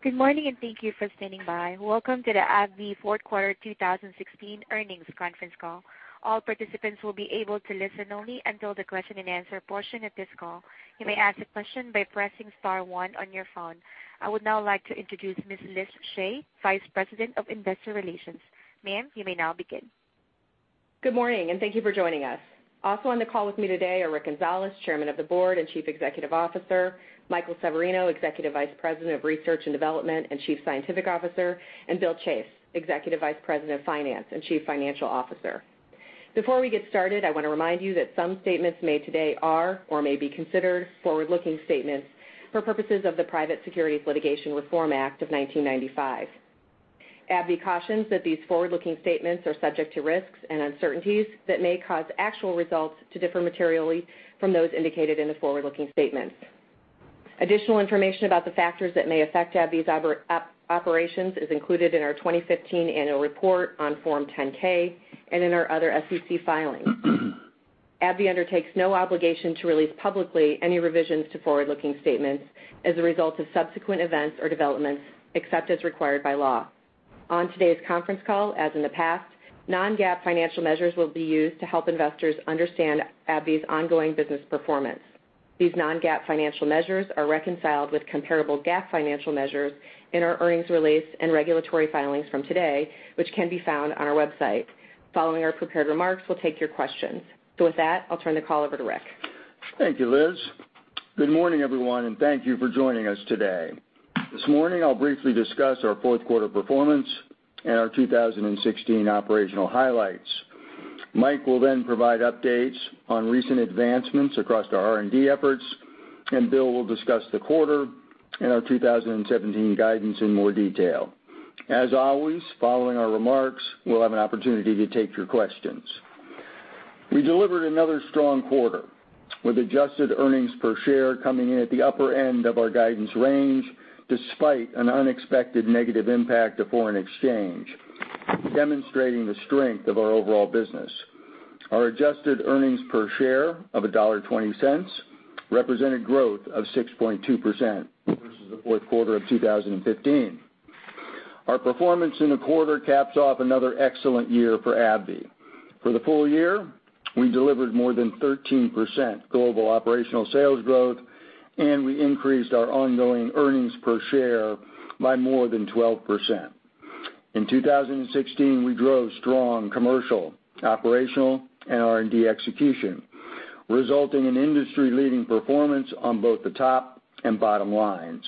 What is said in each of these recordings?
Good morning, and thank you for standing by. Welcome to the AbbVie Fourth Quarter 2016 Earnings Conference Call. All participants will be able to listen only until the question and answer portion of this call. You may ask a question by pressing star one on your phone. I would now like to introduce Ms. Liz Shea, Vice President, Investor Relations. Ma'am, you may now begin. Good morning, and thank you for joining us. Also on the call with me today are Rick Gonzalez, Chairman of the Board and Chief Executive Officer, Michael Severino, Executive Vice President of Research and Development and Chief Scientific Officer, and Bill Chase, Executive Vice President of Finance and Chief Financial Officer. Before we get started, I want to remind you that some statements made today are or may be considered forward-looking statements for purposes of the Private Securities Litigation Reform Act of 1995. AbbVie cautions that these forward-looking statements are subject to risks and uncertainties that may cause actual results to differ materially from those indicated in the forward-looking statements. Additional information about the factors that may affect AbbVie's operations is included in our 2015 Annual Report on Form 10-K and in our other SEC filings. AbbVie undertakes no obligation to release publicly any revisions to forward-looking statements as a result of subsequent events or developments, except as required by law. On today's conference call, as in the past, non-GAAP financial measures will be used to help investors understand AbbVie's ongoing business performance. These non-GAAP financial measures are reconciled with comparable GAAP financial measures in our earnings release and regulatory filings from today, which can be found on our website. Following our prepared remarks, we'll take your questions. With that, I'll turn the call over to Rick. Thank you, Liz. Good morning, everyone, and thank you for joining us today. This morning, I'll briefly discuss our fourth quarter performance and our 2016 operational highlights. Mike will then provide updates on recent advancements across our R&D efforts, and Bill will discuss the quarter and our 2017 guidance in more detail. As always, following our remarks, we'll have an opportunity to take your questions. We delivered another strong quarter with adjusted earnings per share coming in at the upper end of our guidance range despite an unexpected negative impact of foreign exchange, demonstrating the strength of our overall business. Our adjusted earnings per share of $1.20 represented growth of 6.2% versus the fourth quarter of 2015. Our performance in the quarter caps off another excellent year for AbbVie. For the full year, we delivered more than 13% global operational sales growth, and we increased our ongoing earnings per share by more than 12%. In 2016, we drove strong commercial, operational, and R&D execution, resulting in industry-leading performance on both the top and bottom lines.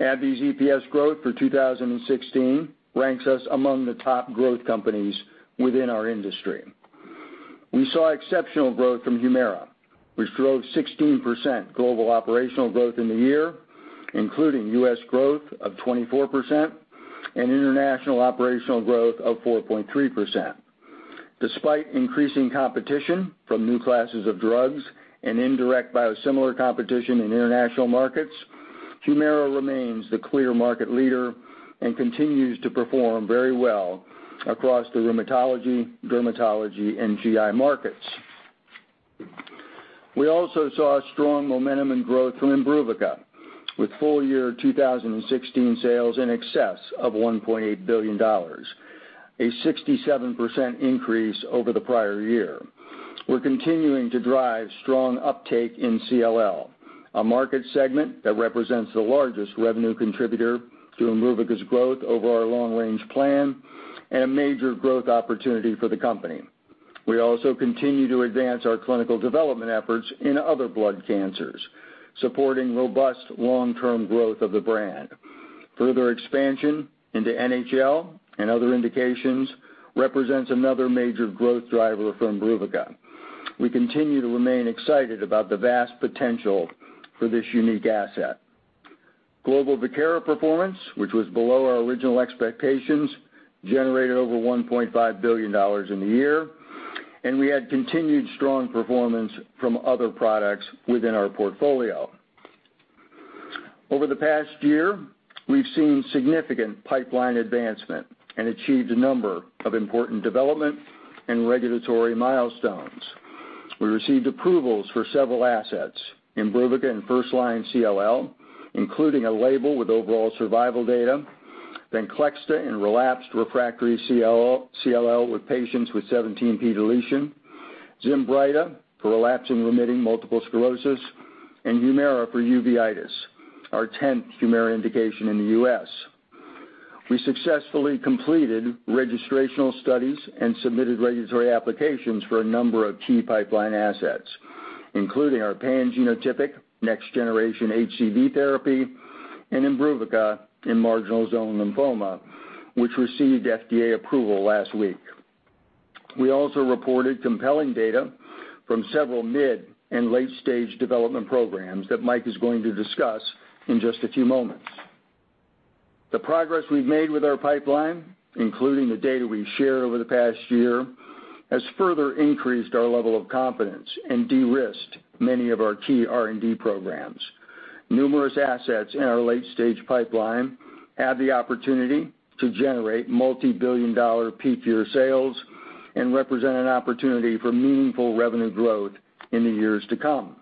AbbVie's EPS growth for 2016 ranks us among the top growth companies within our industry. We saw exceptional growth from HUMIRA, which drove 16% global operational growth in the year, including U.S. growth of 24% and international operational growth of 4.3%. Despite increasing competition from new classes of drugs and indirect biosimilar competition in international markets, HUMIRA remains the clear market leader and continues to perform very well across the rheumatology, dermatology, and GI markets. We also saw strong momentum and growth from IMBRUVICA, with full year 2016 sales in excess of $1.8 billion, a 67% increase over the prior year. We're continuing to drive strong uptake in CLL, a market segment that represents the largest revenue contributor to IMBRUVICA's growth over our long-range plan and a major growth opportunity for the company. We also continue to advance our clinical development efforts in other blood cancers, supporting robust long-term growth of the brand. Further expansion into NHL and other indications represents another major growth driver for IMBRUVICA. We continue to remain excited about the vast potential for this unique asset. Global VIEKIRA performance, which was below our original expectations, generated over $1.5 billion in the year, and we had continued strong performance from other products within our portfolio. Over the past year, we've seen significant pipeline advancement and achieved a number of important development and regulatory milestones. We received approvals for several assets, IMBRUVICA in first-line CLL, including a label with overall survival data, VENCLEXTA in relapsed refractory CLL with patients with 17p deletion, ZINBRYTA for relapsing remitting multiple sclerosis, and HUMIRA for uveitis, our 10th HUMIRA indication in the U.S. We successfully completed registrational studies and submitted regulatory applications for a number of key pipeline assets, including our pangenotypic next generation HCV therapy and IMBRUVICA in marginal zone lymphoma, which received FDA approval last week. We also reported compelling data from several mid- and late-stage development programs that Mike is going to discuss in just a few moments. The progress we've made with our pipeline, including the data we've shared over the past year, has further increased our level of confidence and de-risked many of our key R&D programs. Numerous assets in our late-stage pipeline have the opportunity to generate multi-billion-dollar peak year sales. Represent an opportunity for meaningful revenue growth in the years to come.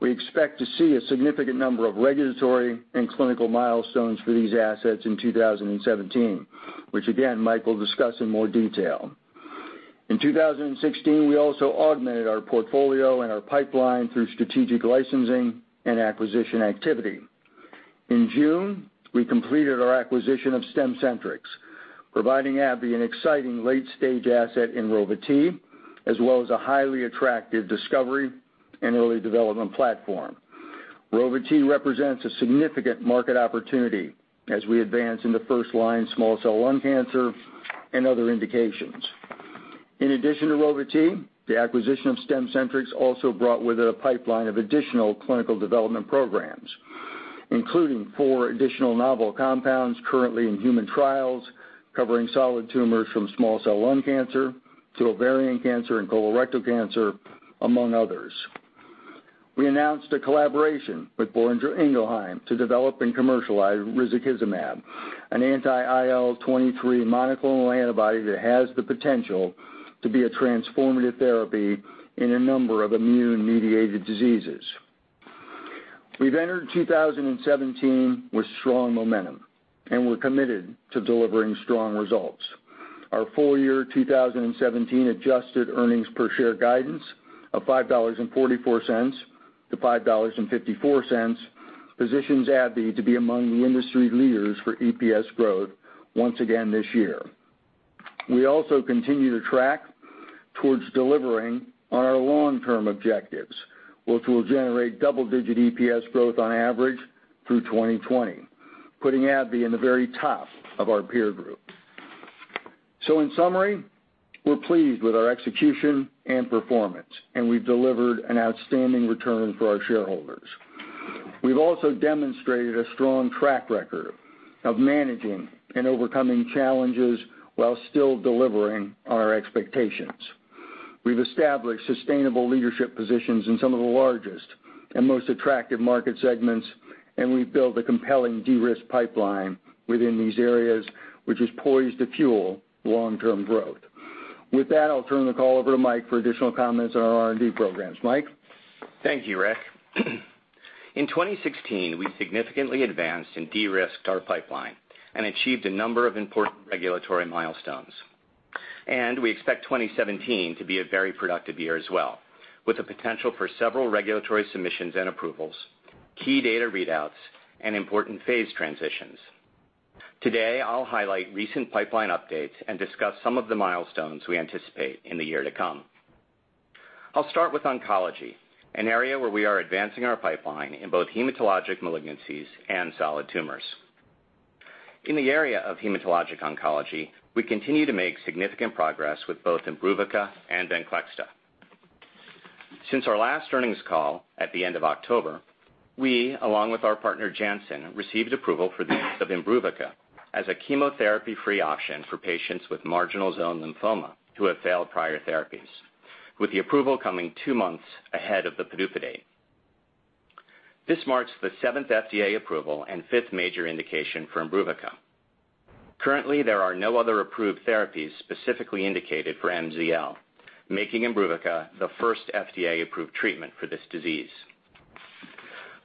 We expect to see a significant number of regulatory and clinical milestones for these assets in 2017, which again, Mike will discuss in more detail. In 2016, we also augmented our portfolio and our pipeline through strategic licensing and acquisition activity. In June, we completed our acquisition of Stemcentrx, providing AbbVie an exciting late-stage asset in Rova-T, as well as a highly attractive discovery and early development platform. Rova-T represents a significant market opportunity as we advance in the first-line small cell lung cancer and other indications. In addition to Rova-T, the acquisition of Stemcentrx also brought with it a pipeline of additional clinical development programs, including four additional novel compounds currently in human trials covering solid tumors from small cell lung cancer to ovarian cancer and colorectal cancer, among others. We announced a collaboration with Boehringer Ingelheim to develop and commercialize risankizumab, an anti-IL-23 monoclonal antibody that has the potential to be a transformative therapy in a number of immune-mediated diseases. We've entered 2017 with strong momentum, and we're committed to delivering strong results. Our full-year 2017 adjusted earnings per share guidance of $5.44-$5.54 positions AbbVie to be among the industry leaders for EPS growth once again this year. We also continue to track towards delivering on our long-term objectives, which will generate double-digit EPS growth on average through 2020, putting AbbVie in the very top of our peer group. In summary, we're pleased with our execution and performance, and we've delivered an outstanding return for our shareholders. We've also demonstrated a strong track record of managing and overcoming challenges while still delivering on our expectations. We've established sustainable leadership positions in some of the largest and most attractive market segments, and we've built a compelling de-risk pipeline within these areas, which is poised to fuel long-term growth. With that, I'll turn the call over to Mike for additional comments on our R&D programs. Mike? Thank you, Rick. In 2016, we significantly advanced and de-risked our pipeline and achieved a number of important regulatory milestones. We expect 2017 to be a very productive year as well, with the potential for several regulatory submissions and approvals, key data readouts, and important phase transitions. Today, I'll highlight recent pipeline updates and discuss some of the milestones we anticipate in the year to come. I'll start with oncology, an area where we are advancing our pipeline in both hematologic malignancies and solid tumors. In the area of hematologic oncology, we continue to make significant progress with both IMBRUVICA and VENCLEXTA. Since our last earnings call at the end of October, we, along with our partner Janssen, received approval for the use of IMBRUVICA as a chemotherapy-free option for patients with marginal zone lymphoma who have failed prior therapies, with the approval coming two months ahead of the PDUFA date. This marks the seventh FDA approval and fifth major indication for IMBRUVICA. Currently, there are no other approved therapies specifically indicated for MZL, making IMBRUVICA the first FDA-approved treatment for this disease.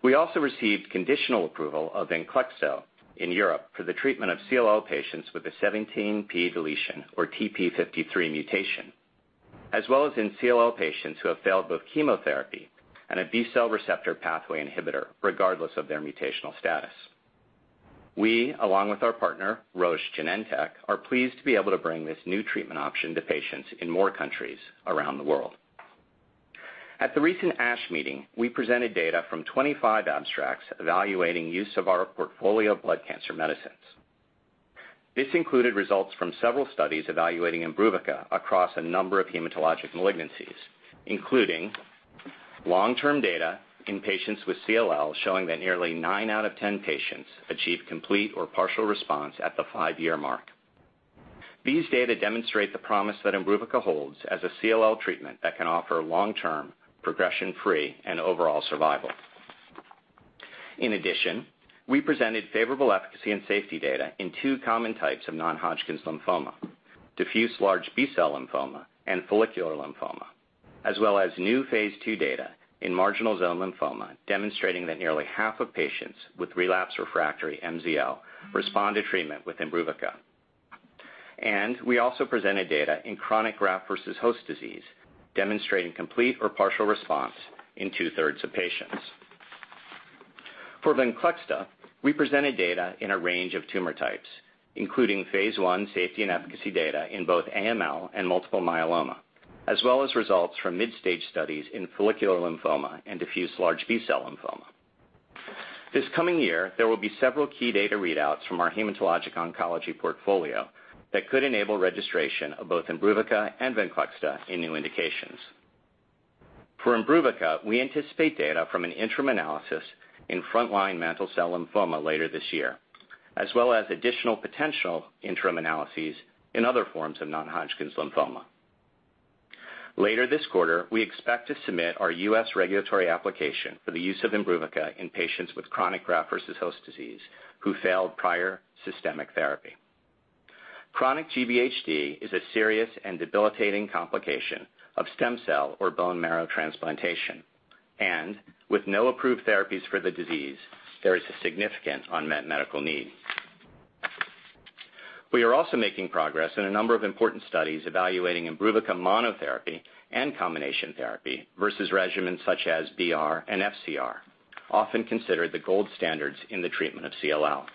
We also received conditional approval of VENCLEXTA in Europe for the treatment of CLL patients with a 17p deletion or TP53 mutation, as well as in CLL patients who have failed both chemotherapy and a B-cell receptor pathway inhibitor, regardless of their mutational status. We, along with our partner Roche Genentech, are pleased to be able to bring this new treatment option to patients in more countries around the world. At the recent ASH meeting, we presented data from 25 abstracts evaluating use of our portfolio of blood cancer medicines. This included results from several studies evaluating IMBRUVICA across a number of hematologic malignancies, including long-term data in patients with CLL showing that nearly nine out of 10 patients achieved complete or partial response at the five-year mark. These data demonstrate the promise that IMBRUVICA holds as a CLL treatment that can offer long-term progression-free and overall survival. We presented favorable efficacy and safety data in two common types of non-Hodgkin lymphoma, diffuse large B-cell lymphoma and follicular lymphoma, as well as new phase II data in marginal zone lymphoma demonstrating that nearly half of patients with relapse refractory MZL respond to treatment with IMBRUVICA. We also presented data in chronic graft versus host disease demonstrating complete or partial response in two-thirds of patients. For VENCLEXTA, we presented data in a range of tumor types, including phase I safety and efficacy data in both AML and multiple myeloma, as well as results from mid-stage studies in follicular lymphoma and diffuse large B-cell lymphoma. This coming year, there will be several key data readouts from our hematologic oncology portfolio that could enable registration of both IMBRUVICA and VENCLEXTA in new indications. For IMBRUVICA, we anticipate data from an interim analysis in frontline mantle cell lymphoma later this year, as well as additional potential interim analyses in other forms of non-Hodgkin lymphoma. Later this quarter, we expect to submit our U.S. regulatory application for the use of IMBRUVICA in patients with chronic graft versus host disease who failed prior systemic therapy. Chronic GVHD is a serious and debilitating complication of stem cell or bone marrow transplantation. With no approved therapies for the disease, there is a significant unmet medical need. We are also making progress in a number of important studies evaluating IMBRUVICA monotherapy and combination therapy versus regimens such as BR and FCR, often considered the gold standards in the treatment of CLL.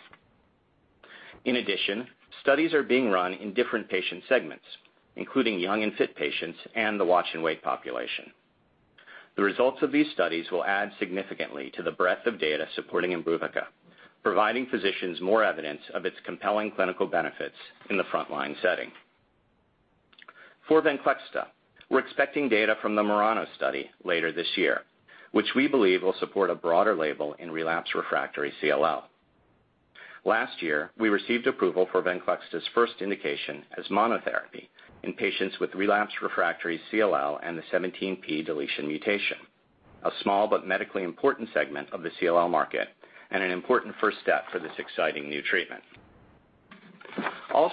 Studies are being run in different patient segments, including young and fit patients and the watch-and-wait population. The results of these studies will add significantly to the breadth of data supporting IMBRUVICA, providing physicians more evidence of its compelling clinical benefits in the frontline setting. For VENCLEXTA, we're expecting data from the MURANO study later this year, which we believe will support a broader label in relapse refractory CLL. Last year, we received approval for VENCLEXTA's first indication as monotherapy in patients with relapsed refractory CLL and the 17p deletion mutation, a small but medically important segment of the CLL market and an important first step for this exciting new treatment.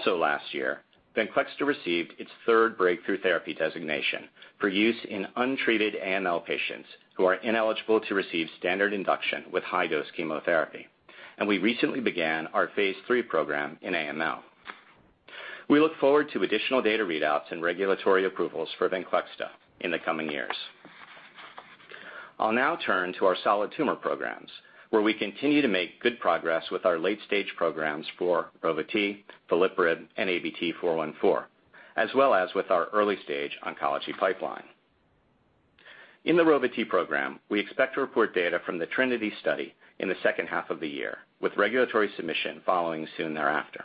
Last year, VENCLEXTA received its third Breakthrough Therapy designation for use in untreated AML patients who are ineligible to receive standard induction with high-dose chemotherapy, and we recently began our phase III program in AML. We look forward to additional data readouts and regulatory approvals for VENCLEXTA in the coming years. I'll now turn to our solid tumor programs, where we continue to make good progress with our late-stage programs for Rova-T, veliparib, and ABT-414, as well as with our early-stage oncology pipeline. In the Rova-T program, we expect to report data from the TRINITY study in the second half of the year, with regulatory submission following soon thereafter.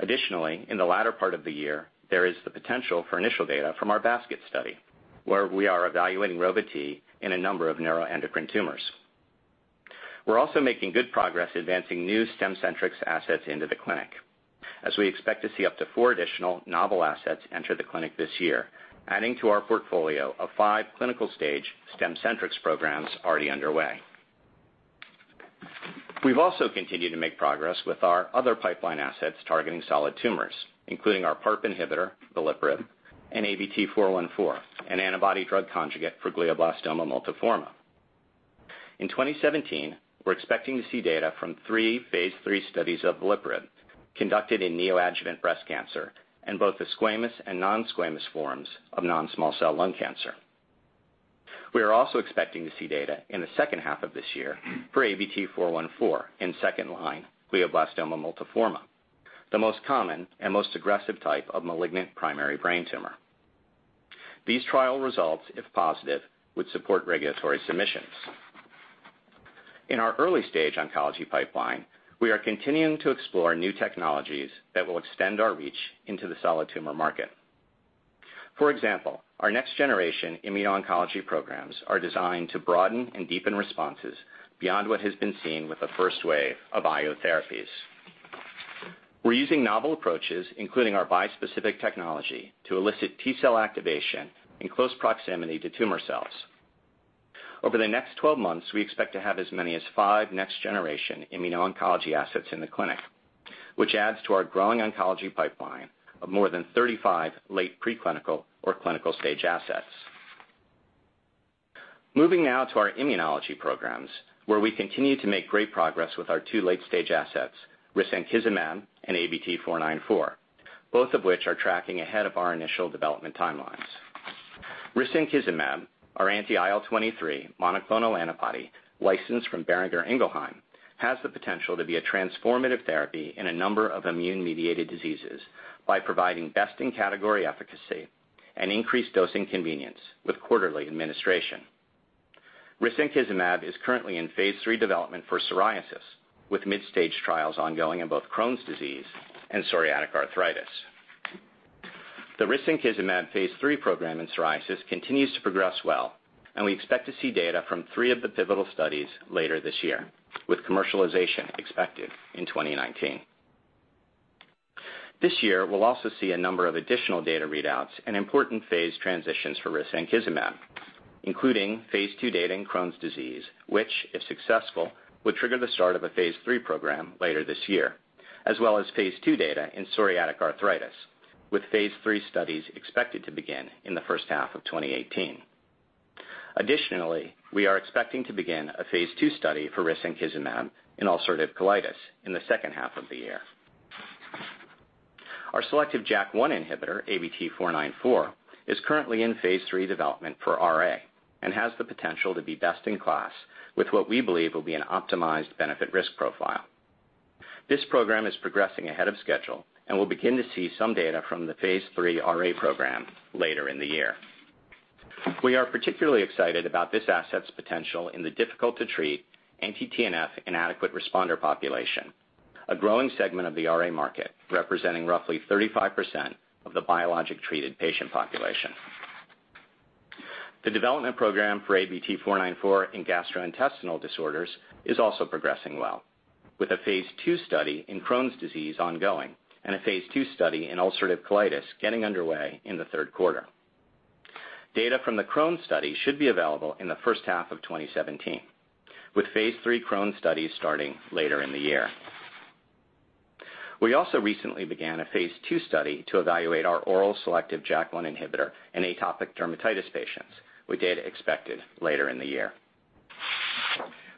Additionally, in the latter part of the year, there is the potential for initial data from our basket study, where we are evaluating Rova-T in a number of neuroendocrine tumors. We're also making good progress advancing new Stemcentrx assets into the clinic, as we expect to see up to four additional novel assets enter the clinic this year, adding to our portfolio of 5 clinical-stage Stemcentrx programs already underway. We've also continued to make progress with our other pipeline assets targeting solid tumors, including our PARP inhibitor, veliparib, and ABT-414, an antibody drug conjugate for glioblastoma multiforme. In 2017, we're expecting to see data from 3 phase III studies of veliparib conducted in neoadjuvant breast cancer in both the squamous and non-squamous forms of non-small cell lung cancer. We are also expecting to see data in the second half of this year for ABT-414 in second-line glioblastoma multiforme, the most common and most aggressive type of malignant primary brain tumor. These trial results, if positive, would support regulatory submissions. In our early stage oncology pipeline, we are continuing to explore new technologies that will extend our reach into the solid tumor market. For example, our next-generation immuno-oncology programs are designed to broaden and deepen responses beyond what has been seen with the first wave of I-O therapies. We're using novel approaches, including our bispecific technology, to elicit T-cell activation in close proximity to tumor cells. Over the next 12 months, we expect to have as many as 5 next-generation immuno-oncology assets in the clinic, which adds to our growing oncology pipeline of more than 35 late pre-clinical or clinical-stage assets. Moving now to our immunology programs, where we continue to make great progress with our 2 late-stage assets, risankizumab and ABT-494, both of which are tracking ahead of our initial development timelines. Risankizumab, our anti-IL-23 monoclonal antibody licensed from Boehringer Ingelheim, has the potential to be a transformative therapy in a number of immune-mediated diseases by providing best-in-category efficacy and increased dosing convenience with quarterly administration. Risankizumab is currently in phase III development for psoriasis, with mid-stage trials ongoing in both Crohn's disease and psoriatic arthritis. The risankizumab phase III program in psoriasis continues to progress well, and we expect to see data from three of the pivotal studies later this year, with commercialization expected in 2019. This year, we'll also see a number of additional data readouts and important phase transitions for risankizumab, including phase II data in Crohn's disease, which, if successful, would trigger the start of a phase III program later this year, as well as phase II data in psoriatic arthritis, with phase III studies expected to begin in the first half of 2018. Additionally, we are expecting to begin a phase II study for risankizumab in ulcerative colitis in the second half of the year. Our selective JAK1 inhibitor, ABT-494, is currently in phase III development for RA and has the potential to be best in class with what we believe will be an optimized benefit/risk profile. This program is progressing ahead of schedule. We'll begin to see some data from the phase III RA program later in the year. We are particularly excited about this asset's potential in the difficult-to-treat anti-TNF inadequate responder population, a growing segment of the RA market representing roughly 35% of the biologic-treated patient population. The development program for ABT-494 in gastrointestinal disorders is also progressing well, with a phase II study in Crohn's disease ongoing and a phase II study in ulcerative colitis getting underway in the third quarter. Data from the Crohn's study should be available in the first half of 2017, with phase III Crohn's studies starting later in the year. We also recently began a phase II study to evaluate our oral selective JAK1 inhibitor in atopic dermatitis patients, with data expected later in the year.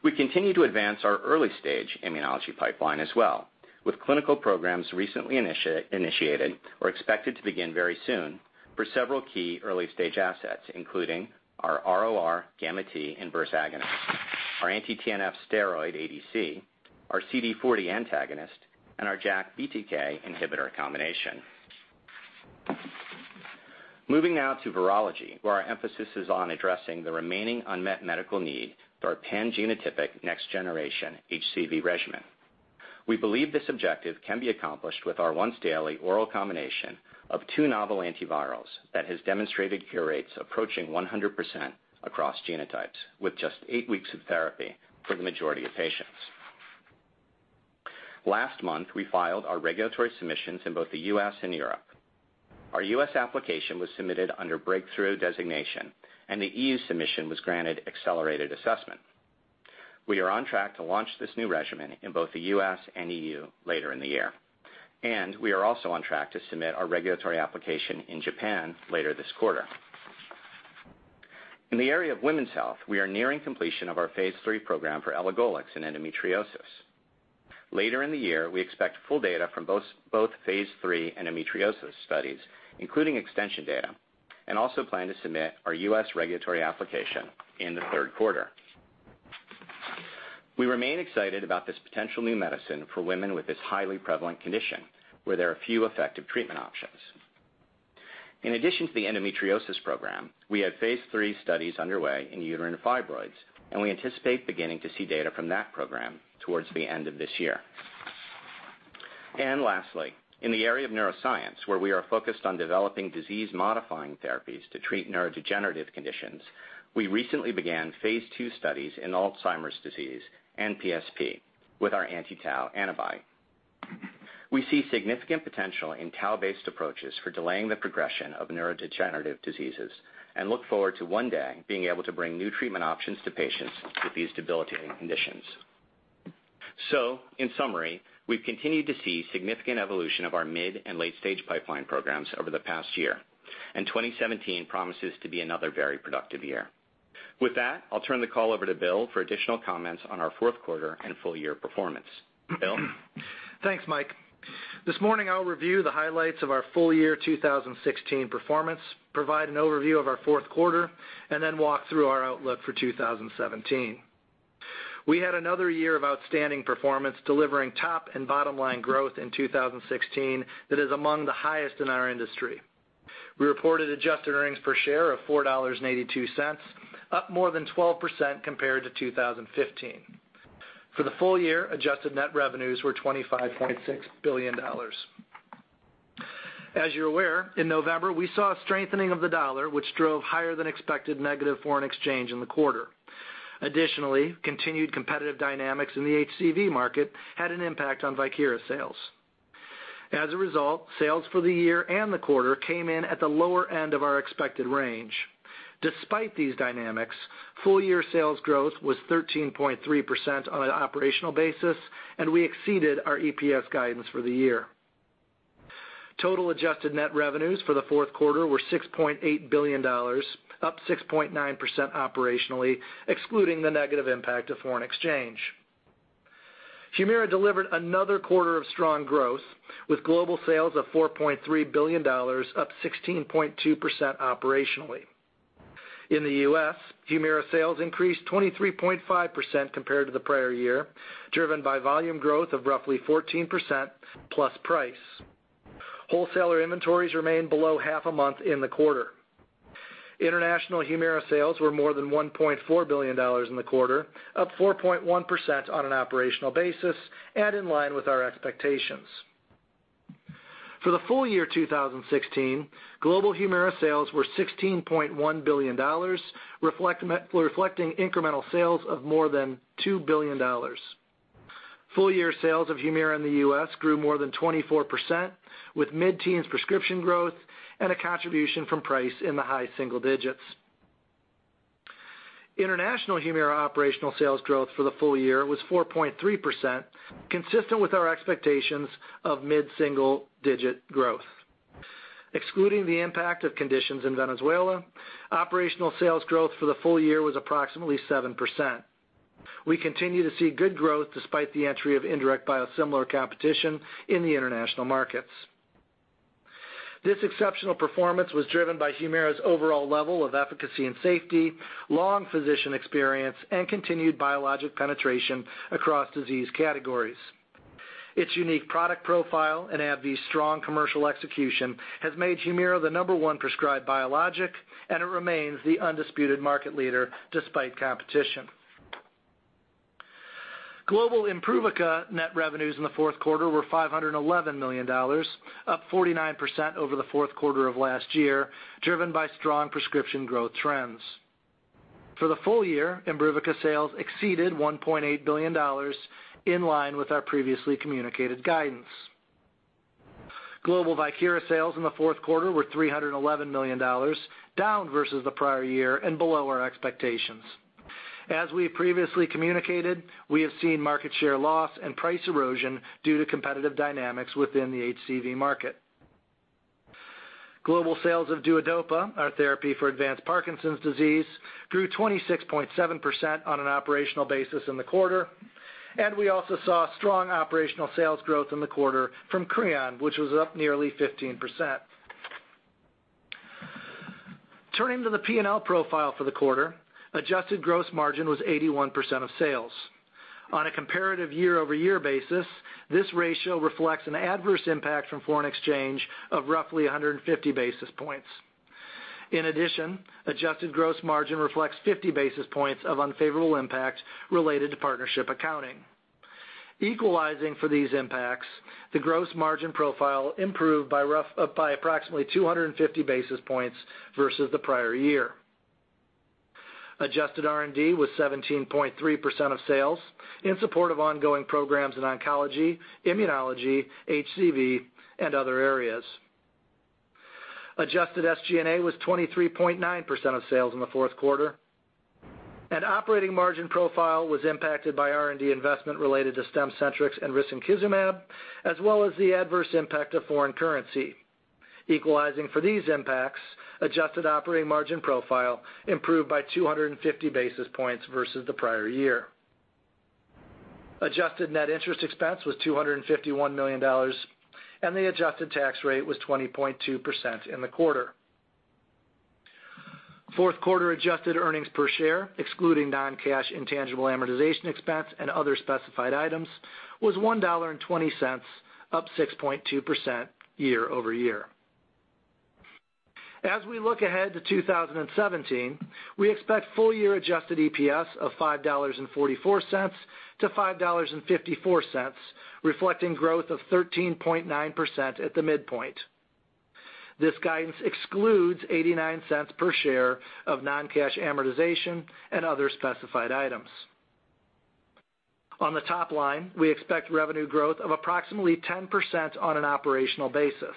We continue to advance our early-stage immunology pipeline as well, with clinical programs recently initiated or expected to begin very soon for several key early-stage assets, including our RORγt inverse agonist, our anti-TNF steroid ADC, our CD40 antagonist, and our JAK/BTK inhibitor combination. Moving now to virology, where our emphasis is on addressing the remaining unmet medical need through our pangenotypic next generation HCV regimen. We believe this objective can be accomplished with our once-daily oral combination of two novel antivirals that has demonstrated cure rates approaching 100% across genotypes, with just eight weeks of therapy for the majority of patients. Last month, we filed our regulatory submissions in both the U.S. and Europe. Our U.S. application was submitted under Breakthrough designation, and the EU submission was granted accelerated assessment. We are on track to launch this new regimen in both the U.S. and EU later in the year. We are also on track to submit our regulatory application in Japan later this quarter. In the area of women's health, we are nearing completion of our phase III program for elagolix in endometriosis. Later in the year, we expect full data from both phase III endometriosis studies, including extension data. We also plan to submit our U.S. regulatory application in the third quarter. We remain excited about this potential new medicine for women with this highly prevalent condition, where there are few effective treatment options. In addition to the endometriosis program, we have phase III studies underway in uterine fibroids. We anticipate beginning to see data from that program towards the end of this year. Lastly, in the area of neuroscience, where we are focused on developing disease-modifying therapies to treat neurodegenerative conditions, we recently began phase II studies in Alzheimer's disease and PSP with our anti-tau antibody. We see significant potential in tau-based approaches for delaying the progression of neurodegenerative diseases and look forward to one day being able to bring new treatment options to patients with these debilitating conditions. In summary, we've continued to see significant evolution of our mid and late-stage pipeline programs over the past year. 2017 promises to be another very productive year. With that, I'll turn the call over to Bill for additional comments on our fourth quarter and full-year performance. Bill? Thanks, Mike. This morning I'll review the highlights of our full-year 2016 performance, provide an overview of our fourth quarter, then walk through our outlook for 2017. We had another year of outstanding performance, delivering top and bottom-line growth in 2016 that is among the highest in our industry. We reported adjusted earnings per share of $4.82, up more than 12% compared to 2015. For the full year, adjusted net revenues were $25.6 billion. As you're aware, in November, we saw a strengthening of the dollar, which drove higher than expected negative foreign exchange in the quarter. Additionally, continued competitive dynamics in the HCV market had an impact on Viekira sales. As a result, sales for the year and the quarter came in at the lower end of our expected range. Despite these dynamics, full-year sales growth was 13.3% on an operational basis, and we exceeded our EPS guidance for the year. Total adjusted net revenues for the fourth quarter were $6.8 billion, up 6.9% operationally, excluding the negative impact of foreign exchange. HUMIRA delivered another quarter of strong growth, with global sales of $4.3 billion, up 16.2% operationally. In the U.S., HUMIRA sales increased 23.5% compared to the prior year, driven by volume growth of roughly 14% plus price. Wholesaler inventories remained below half a month in the quarter. International HUMIRA sales were more than $1.4 billion in the quarter, up 4.1% on an operational basis and in line with our expectations. For the full year 2016, global HUMIRA sales were $16.1 billion, reflecting incremental sales of more than $2 billion. Full-year sales of HUMIRA in the U.S. grew more than 24%, with mid-teens prescription growth and a contribution from price in the high single digits. International HUMIRA operational sales growth for the full year was 4.3%, consistent with our expectations of mid-single digit growth. Excluding the impact of conditions in Venezuela, operational sales growth for the full year was approximately 7%. We continue to see good growth despite the entry of indirect biosimilar competition in the international markets. This exceptional performance was driven by HUMIRA's overall level of efficacy and safety, long physician experience, and continued biologic penetration across disease categories. Its unique product profile and AbbVie's strong commercial execution has made HUMIRA the number one prescribed biologic, and it remains the undisputed market leader despite competition. Global IMBRUVICA net revenues in the fourth quarter were $511 million, up 49% over the fourth quarter of last year, driven by strong prescription growth trends. For the full year, IMBRUVICA sales exceeded $1.8 billion, in line with our previously communicated guidance. Global VIEKIRA sales in the fourth quarter were $311 million, down versus the prior year and below our expectations. As we previously communicated, we have seen market share loss and price erosion due to competitive dynamics within the HCV market. Global sales of DUODOPA, our therapy for advanced Parkinson's disease, grew 26.7% on an operational basis in the quarter, and we also saw strong operational sales growth in the quarter from CREON, which was up nearly 15%. Turning to the P&L profile for the quarter, adjusted gross margin was 81% of sales. On a comparative year-over-year basis, this ratio reflects an adverse impact from foreign exchange of roughly 150 basis points. In addition, adjusted gross margin reflects 50 basis points of unfavorable impact related to partnership accounting. Equalizing for these impacts, the gross margin profile improved by approximately 250 basis points versus the prior year. Adjusted R&D was 17.3% of sales in support of ongoing programs in oncology, immunology, HCV, and other areas. Adjusted SG&A was 23.9% of sales in the fourth quarter, and operating margin profile was impacted by R&D investment related to Stemcentrx and risankizumab, as well as the adverse impact of foreign currency. Equalizing for these impacts, adjusted operating margin profile improved by 250 basis points versus the prior year. Adjusted net interest expense was $251 million, and the adjusted tax rate was 20.2% in the quarter. Fourth quarter adjusted earnings per share, excluding non-cash intangible amortization expense and other specified items, was $1.20, up 6.2% year-over-year. As we look ahead to 2017, we expect full year adjusted EPS of $5.44-$5.54, reflecting growth of 13.9% at the midpoint. This guidance excludes $0.89 per share of non-cash amortization and other specified items. On the top line, we expect revenue growth of approximately 10% on an operational basis.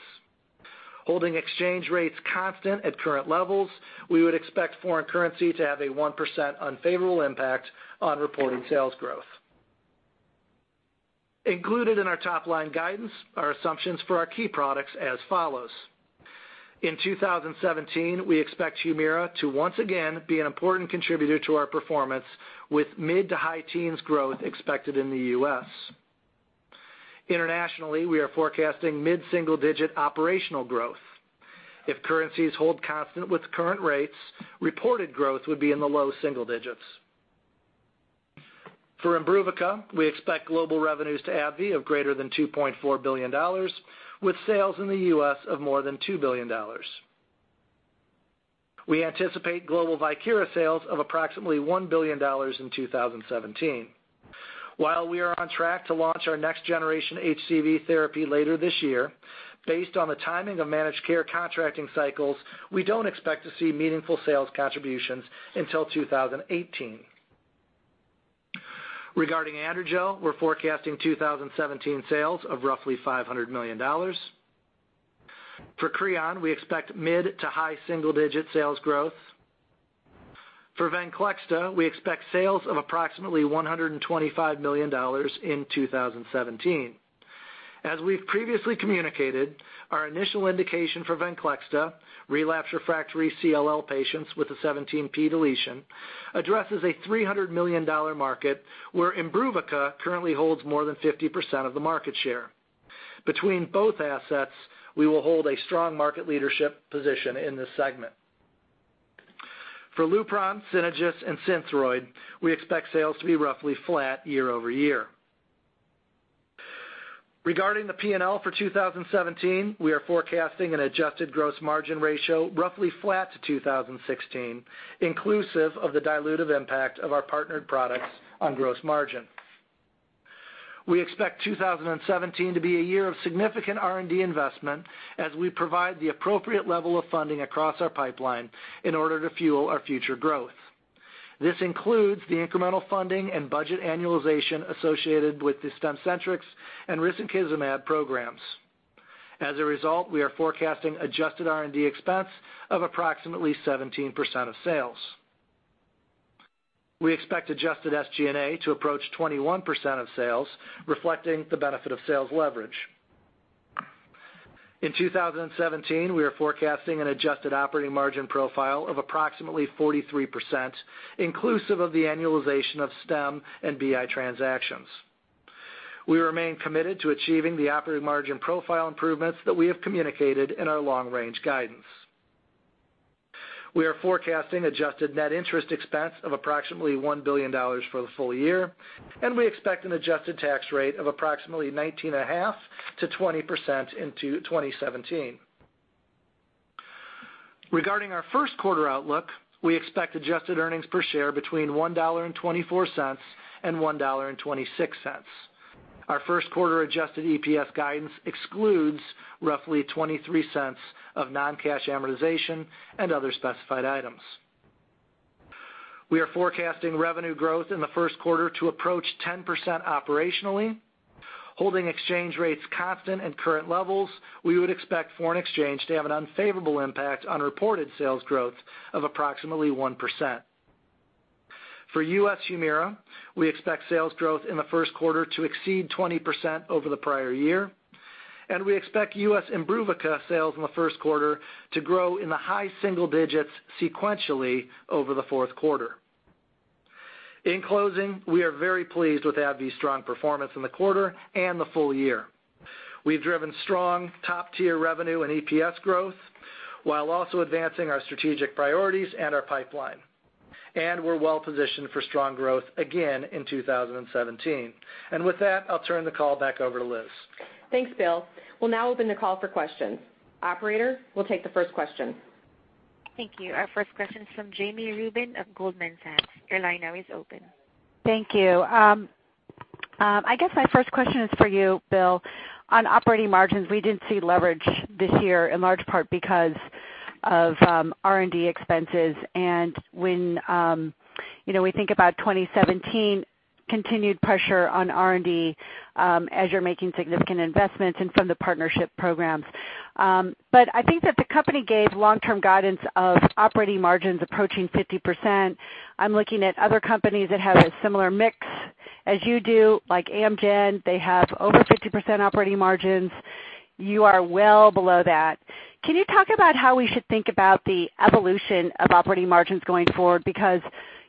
Holding exchange rates constant at current levels, we would expect foreign currency to have a 1% unfavorable impact on reported sales growth. Included in our top-line guidance are assumptions for our key products as follows. In 2017, we expect HUMIRA to once again be an important contributor to our performance, with mid to high teens growth expected in the U.S. Internationally, we are forecasting mid-single-digit operational growth. If currencies hold constant with current rates, reported growth would be in the low single digits. For IMBRUVICA, we expect global revenues to AbbVie of greater than $2.4 billion, with sales in the U.S. of more than $2 billion. We anticipate global VIEKIRA sales of approximately $1 billion in 2017. While we are on track to launch our next generation HCV therapy later this year, based on the timing of managed care contracting cycles, we don't expect to see meaningful sales contributions until 2018. Regarding ANDROGEL, we're forecasting 2017 sales of roughly $500 million. For CREON, we expect mid to high single-digit sales growth. For VENCLEXTA, we expect sales of approximately $125 million in 2017. As we've previously communicated, our initial indication for VENCLEXTA, relapse refractory CLL patients with a 17p deletion, addresses a $300 million market where IMBRUVICA currently holds more than 50% of the market share. Between both assets, we will hold a strong market leadership position in this segment. For LUPRON, Synagis, and Synthroid, we expect sales to be roughly flat year-over-year. Regarding the P&L for 2017, we are forecasting an adjusted gross margin ratio roughly flat to 2016, inclusive of the dilutive impact of our partnered products on gross margin. We expect 2017 to be a year of significant R&D investment as we provide the appropriate level of funding across our pipeline in order to fuel our future growth. This includes the incremental funding and budget annualization associated with the Stemcentrx and risankizumab programs. As a result, we are forecasting adjusted R&D expense of approximately 17% of sales. We expect adjusted SG&A to approach 21% of sales, reflecting the benefit of sales leverage. In 2017, we are forecasting an adjusted operating margin profile of approximately 43%, inclusive of the annualization of Stem and BI transactions. We remain committed to achieving the operating margin profile improvements that we have communicated in our long range guidance. We are forecasting adjusted net interest expense of approximately $1 billion for the full year, and we expect an adjusted tax rate of approximately 19.5%-20% into 2017. Regarding our first quarter outlook, we expect adjusted earnings per share between $1.24 and $1.26. Our first quarter adjusted EPS guidance excludes roughly $0.23 of non-cash amortization and other specified items. We are forecasting revenue growth in the first quarter to approach 10% operationally. Holding exchange rates constant at current levels, we would expect foreign exchange to have an unfavorable impact on reported sales growth of approximately 1%. For U.S. HUMIRA, we expect sales growth in the first quarter to exceed 20% over the prior year. We expect U.S. IMBRUVICA sales in the first quarter to grow in the high single digits sequentially over the fourth quarter. In closing, we are very pleased with AbbVie's strong performance in the quarter and the full year. We've driven strong top-tier revenue and EPS growth while also advancing our strategic priorities and our pipeline. We're well-positioned for strong growth again in 2017. With that, I'll turn the call back over to Liz. Thanks, Bill. We'll now open the call for questions. Operator, we'll take the first question. Thank you. Our first question is from Jami Rubin of Goldman Sachs. Your line now is open. Thank you. I guess my first question is for you, Bill, on operating margins. We didn't see leverage this year, in large part because of R&D expenses. When we think about 2017, continued pressure on R&D, as you're making significant investments in some of the partnership programs. I think that the company gave long-term guidance of operating margins approaching 50%. I'm looking at other companies that have a similar mix as you do, like Amgen. They have over 50% operating margins. You are well below that. Can you talk about how we should think about the evolution of operating margins going forward? Because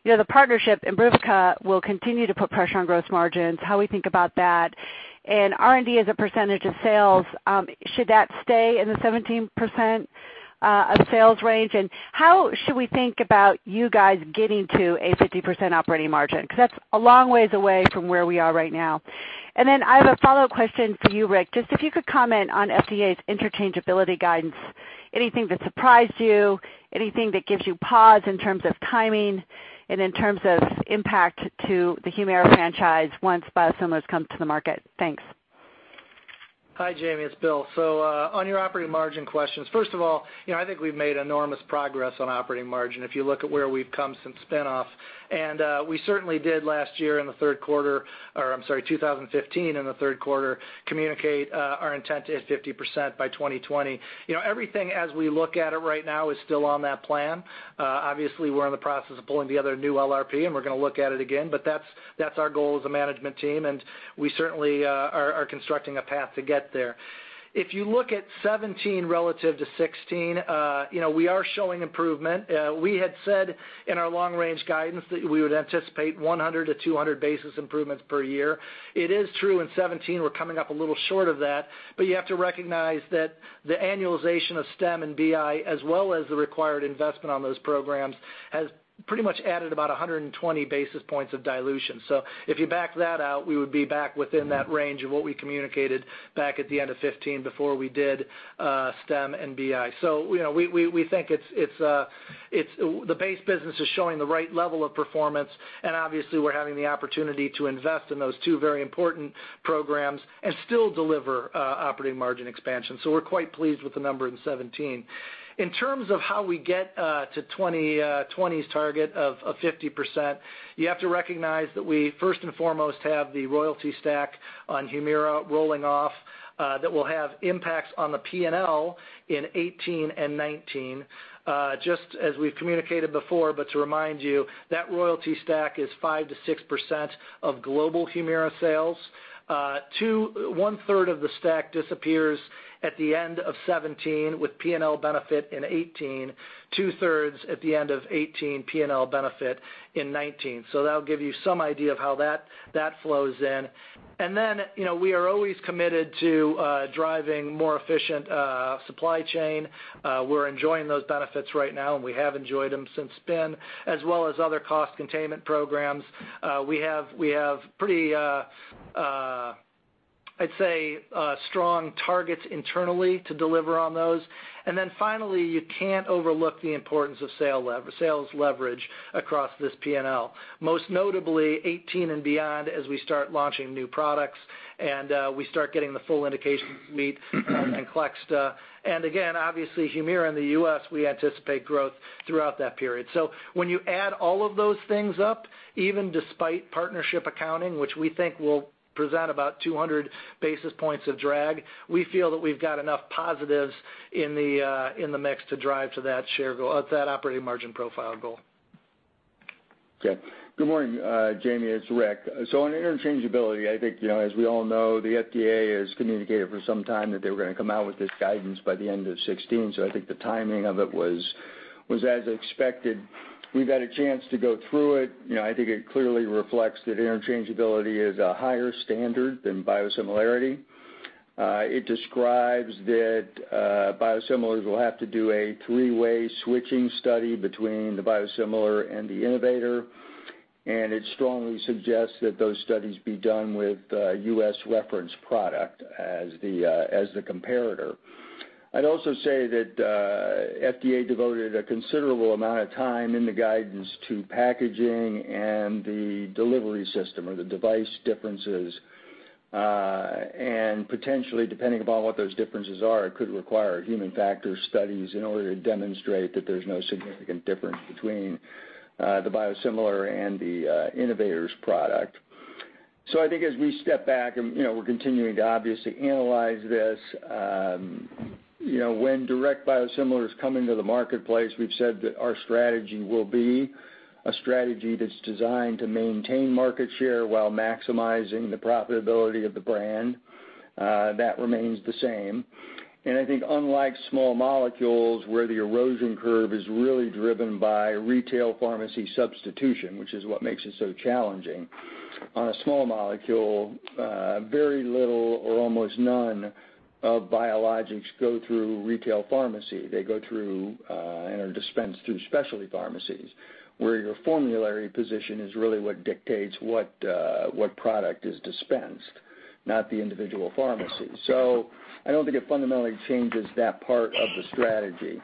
the partnership, IMBRUVICA, will continue to put pressure on gross margins, how we think about that. R&D as a percentage of sales, should that stay in the 17% of sales range? How should we think about you guys getting to a 50% operating margin? Because that's a long ways away from where we are right now. I have a follow-up question for you, Rick. Just if you could comment on FDA's interchangeability guidance. Anything that surprised you, anything that gives you pause in terms of timing and in terms of impact to the HUMIRA franchise once biosimilars come to the market? Thanks. Hi, Jami. It's Bill. On your operating margin questions, first of all, I think we've made enormous progress on operating margin if you look at where we've come since spin-off, and we certainly did last year in the third quarter, or I'm sorry, 2015 in the third quarter, communicate our intent to hit 50% by 2020. Everything as we look at it right now is still on that plan. Obviously, we're in the process of pulling together a new LRP, and we're going to look at it again. That's our goal as a management team, and we certainly are constructing a path to get there. If you look at 2017 relative to 2016, we are showing improvement. We had said in our long range guidance that we would anticipate 100-200 basis improvements per year. It is true in 2017, we're coming up a little short of that, but you have to recognize that the annualization of Stemcentrx and BI, as well as the required investment on those programs, has pretty much added about 120 basis points of dilution. If you back that out, we would be back within that range of what we communicated back at the end of 2015 before we did Stemcentrx and BI. We think the base business is showing the right level of performance, and obviously, we're having the opportunity to invest in those two very important programs and still deliver operating margin expansion. We're quite pleased with the number in 2017. In terms of how we get to 2020's target of 50%, you have to recognize that we first and foremost have the royalty stack on HUMIRA rolling off that will have impacts on the P&L in 2018 and 2019. Just as we've communicated before, but to remind you, that royalty stack is 5%-6% of global HUMIRA sales. One third of the stack disappears at the end of 2017 with P&L benefit in 2018, two-thirds at the end of 2018, P&L benefit in 2019. That'll give you some idea of how that flows in. We are always committed to driving more efficient supply chain. We're enjoying those benefits right now, and we have enjoyed them since spin, as well as other cost containment programs. We have pretty, I'd say, strong targets internally to deliver on those. Finally, you can't overlook the importance of sales leverage across this P&L. Most notably 2018 and beyond, as we start launching new products and we start getting the full indications with and VIEKIRA PAK. Again, obviouslyHUMIRA in the U.S., we anticipate growth throughout that period. When you add all of those things up, even despite partnership accounting, which we think will present about 200 basis points of drag, we feel that we've got enough positives in the mix to drive to that operating margin profile goal. Okay. Good morning Jami, it's Rick. On interchangeability, I think as we all know, the FDA has communicated for some time that they were going to come out with this guidance by the end of 2016. I think the timing of it was as expected. We've had a chance to go through it. I think it clearly reflects that interchangeability is a higher standard than biosimilarity. It describes that biosimilars will have to do a three-way switching study between the biosimilar and the innovator. It strongly suggests that those studies be done with U.S. reference product as the comparator. I'd also say that FDA devoted a considerable amount of time in the guidance to packaging and the delivery system or the device differences, and potentially, depending upon what those differences are, it could require human factor studies in order to demonstrate that there's no significant difference between the biosimilar and the innovator's product. I think as we step back, and we're continuing to obviously analyze this, when direct biosimilars come into the marketplace, we've said that our strategy will be a strategy that's designed to maintain market share while maximizing the profitability of the brand. That remains the same. I think unlike small molecules, where the erosion curve is really driven by retail pharmacy substitution, which is what makes it so challenging. On a small molecule, very little or almost none of biologics go through retail pharmacy. They go through, and are dispensed through specialty pharmacies, where your formulary position is really what dictates what product is dispensed, not the individual pharmacy. I don't think it fundamentally changes that part of the strategy.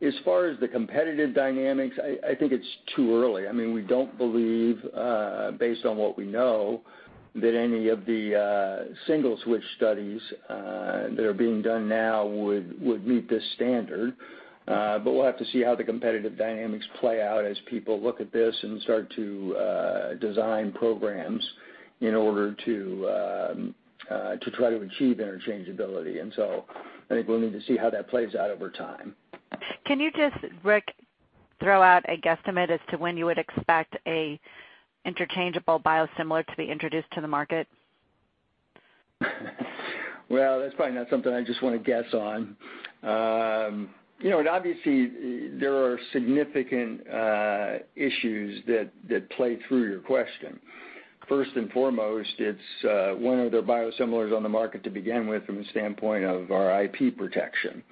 As far as the competitive dynamics, I think it's too early. We don't believe, based on what we know, that any of the single switch studies that are being done now would meet this standard. We'll have to see how the competitive dynamics play out as people look at this and start to design programs in order to try to achieve interchangeability. I think we'll need to see how that plays out over time. Can you just, Rick, throw out a guesstimate as to when you would expect an interchangeable biosimilar to be introduced to the market? Well, that's probably not something I just want to guess on. Obviously, there are significant issues that play through your question. First and foremost, it's one of the biosimilars on the market to begin with from the standpoint of our IP protection.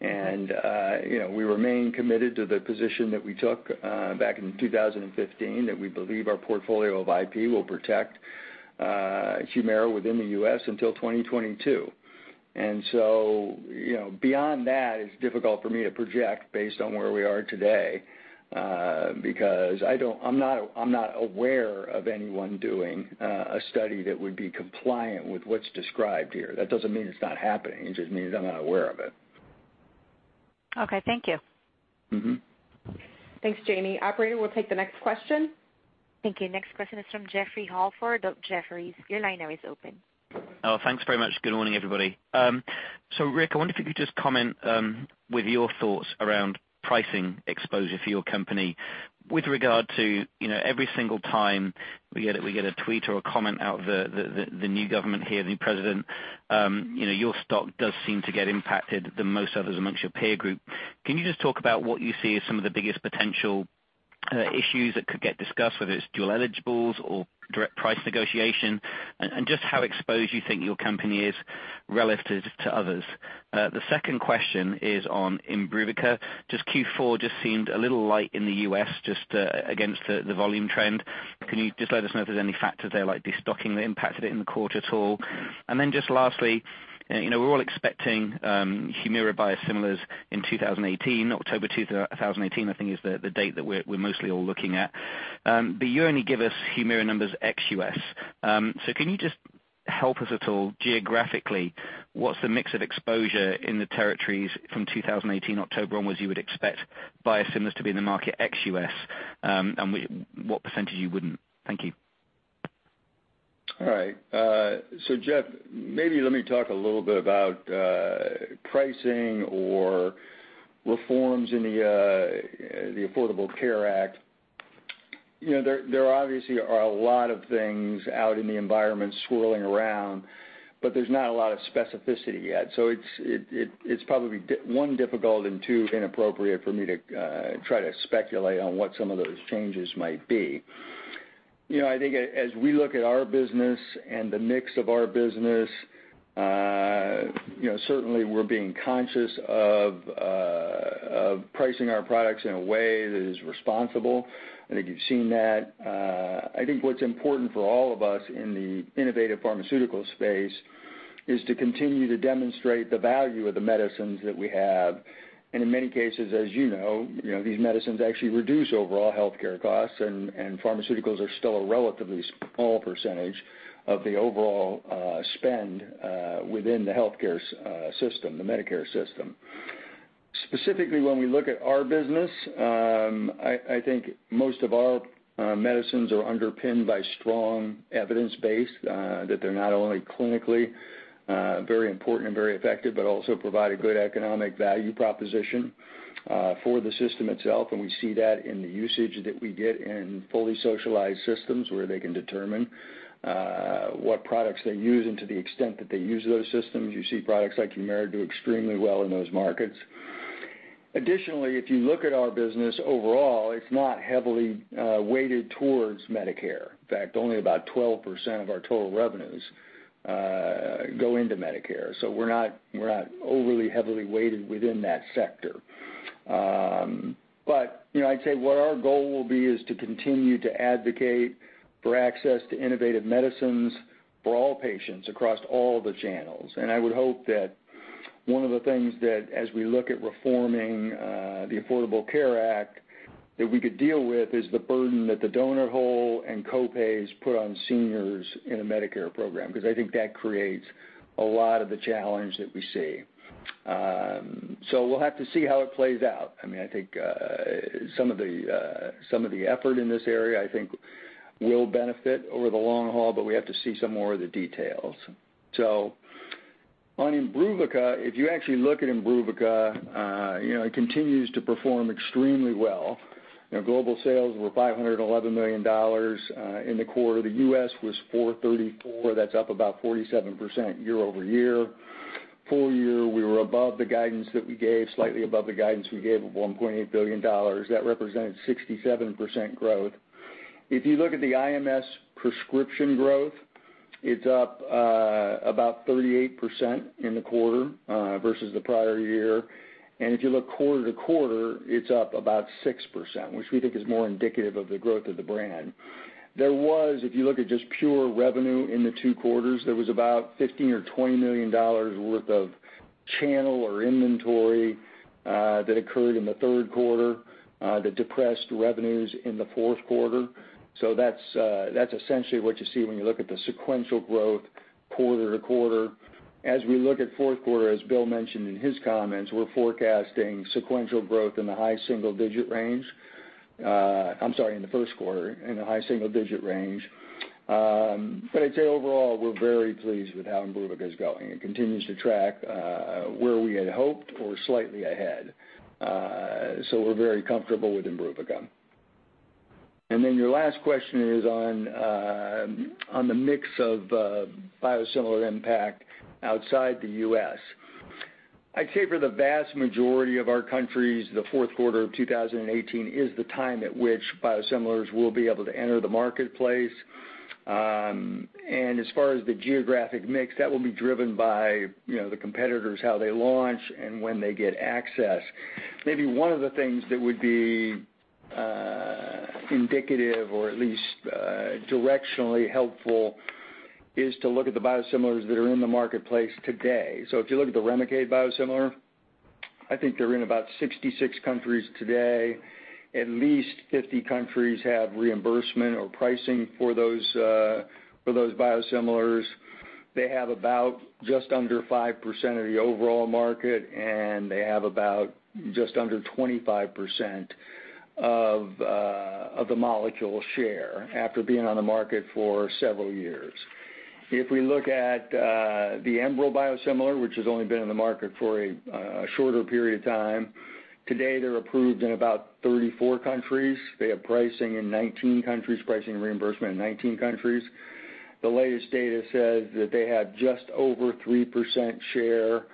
We remain committed to the position that we took back in 2015 that we believe our portfolio of IP will protect HUMIRA within the U.S. until 2022. Beyond that, it's difficult for me to project based on where we are today, because I'm not aware of anyone doing a study that would be compliant with what's described here. That doesn't mean it's not happening. It just means I'm not aware of it. Okay. Thank you. Thanks, Jami. Operator, we'll take the next question. Thank you. Next question is from Jeffrey Holford for the Jefferies. Your line now is open. Thanks very much. Good morning, everybody. Rick, I wonder if you could just comment with your thoughts around pricing exposure for your company with regard to every single time we get a tweet or a comment out of the new government here, the new president, your stock does seem to get impacted the most others amongst your peer group. Can you just talk about what you see as some of the biggest potential issues that could get discussed, whether it's dual eligibles or direct price negotiation, and just how exposed you think your company is relative to others? The second question is on IMBRUVICA. Q4 seemed a little light in the U.S. just against the volume trend. Can you just let us know if there's any factors there, like de-stocking that impacted it in the quarter at all? Just lastly, we're all expecting HUMIRA biosimilars in 2018, October 2nd, 2018, I think is the date that we're mostly all looking at. You only give us HUMIRA numbers ex-U.S. Can you just help us at all geographically, what's the mix of exposure in the territories from 2018 October onwards you would expect biosimilars to be in the market ex-U.S., and what % you wouldn't? Thank you. All right. Jeff, maybe let me talk a little bit about pricing or reforms in the Affordable Care Act. There obviously are a lot of things out in the environment swirling around, but there's not a lot of specificity yet. It's probably, one, difficult, and two, inappropriate for me to try to speculate on what some of those changes might be. I think as we look at our business and the mix of our business, certainly we're being conscious of pricing our products in a way that is responsible. I think you've seen that. I think what's important for all of us in the innovative pharmaceutical space is to continue to demonstrate the value of the medicines that we have. In many cases, as you know, these medicines actually reduce overall healthcare costs, and pharmaceuticals are still a relatively small percentage of the overall spend within the healthcare system, the Medicare system. Specifically, when we look at our business, I think most of our medicines are underpinned by strong evidence base, that they're not only clinically very important and very effective, but also provide a good economic value proposition for the system itself, and we see that in the usage that we get in fully socialized systems where they can determine what products they use and to the extent that they use those systems. You see products like HUMIRA do extremely well in those markets. Additionally, if you look at our business overall, it's not heavily weighted towards Medicare. In fact, only about 12% of our total revenues go into Medicare. We're not overly heavily weighted within that sector. I'd say what our goal will be is to continue to advocate for access to innovative medicines for all patients across all the channels. I would hope that one of the things that, as we look at reforming the Affordable Care Act, that we could deal with is the burden that the donut hole and co-pays put on seniors in a Medicare program, because I think that creates a lot of the challenge that we see. We'll have to see how it plays out. I think some of the effort in this area, I think, will benefit over the long haul, but we have to see some more of the details. On IMBRUVICA, if you actually look at IMBRUVICA, it continues to perform extremely well. Global sales were $511 million in the quarter. The U.S. was $434 million, that's up about 47% year-over-year. Full year, we were above the guidance that we gave, slightly above the guidance we gave of $1.8 billion. That represented 67% growth. If you look at the IMS prescription growth, it's up about 38% in the quarter versus the prior year. If you look quarter-to-quarter, it's up about 6%, which we think is more indicative of the growth of the brand. There was, if you look at just pure revenue in the two quarters, there was about $15 million or $20 million worth of channel or inventory that occurred in the third quarter that depressed revenues in the fourth quarter. That's essentially what you see when you look at the sequential growth quarter-to-quarter. As we look at fourth quarter, as Bill mentioned in his comments, we're forecasting sequential growth in the high single-digit range. I'm sorry, in the first quarter in the high single-digit range. I'd say overall, we're very pleased with how IMBRUVICA is going. It continues to track where we had hoped or slightly ahead. We're very comfortable with IMBRUVICA. Your last question is on the mix of biosimilar impact outside the U.S. I'd say for the vast majority of our countries, the fourth quarter of 2018 is the time at which biosimilars will be able to enter the marketplace. As far as the geographic mix, that will be driven by the competitors, how they launch, and when they get access. Maybe one of the things that would be indicative or at least directionally helpful is to look at the biosimilars that are in the marketplace today. If you look at the REMICADE biosimilar, I think they're in about 66 countries today. At least 50 countries have reimbursement or pricing for those biosimilars. They have about just under 5% of the overall market, and they have about just under 25% of the molecule share after being on the market for several years. If we look at the ENBREL biosimilar, which has only been in the market for a shorter period of time, today they're approved in about 34 countries. They have pricing in 19 countries, pricing and reimbursement in 19 countries. The latest data says that they have just over 3% share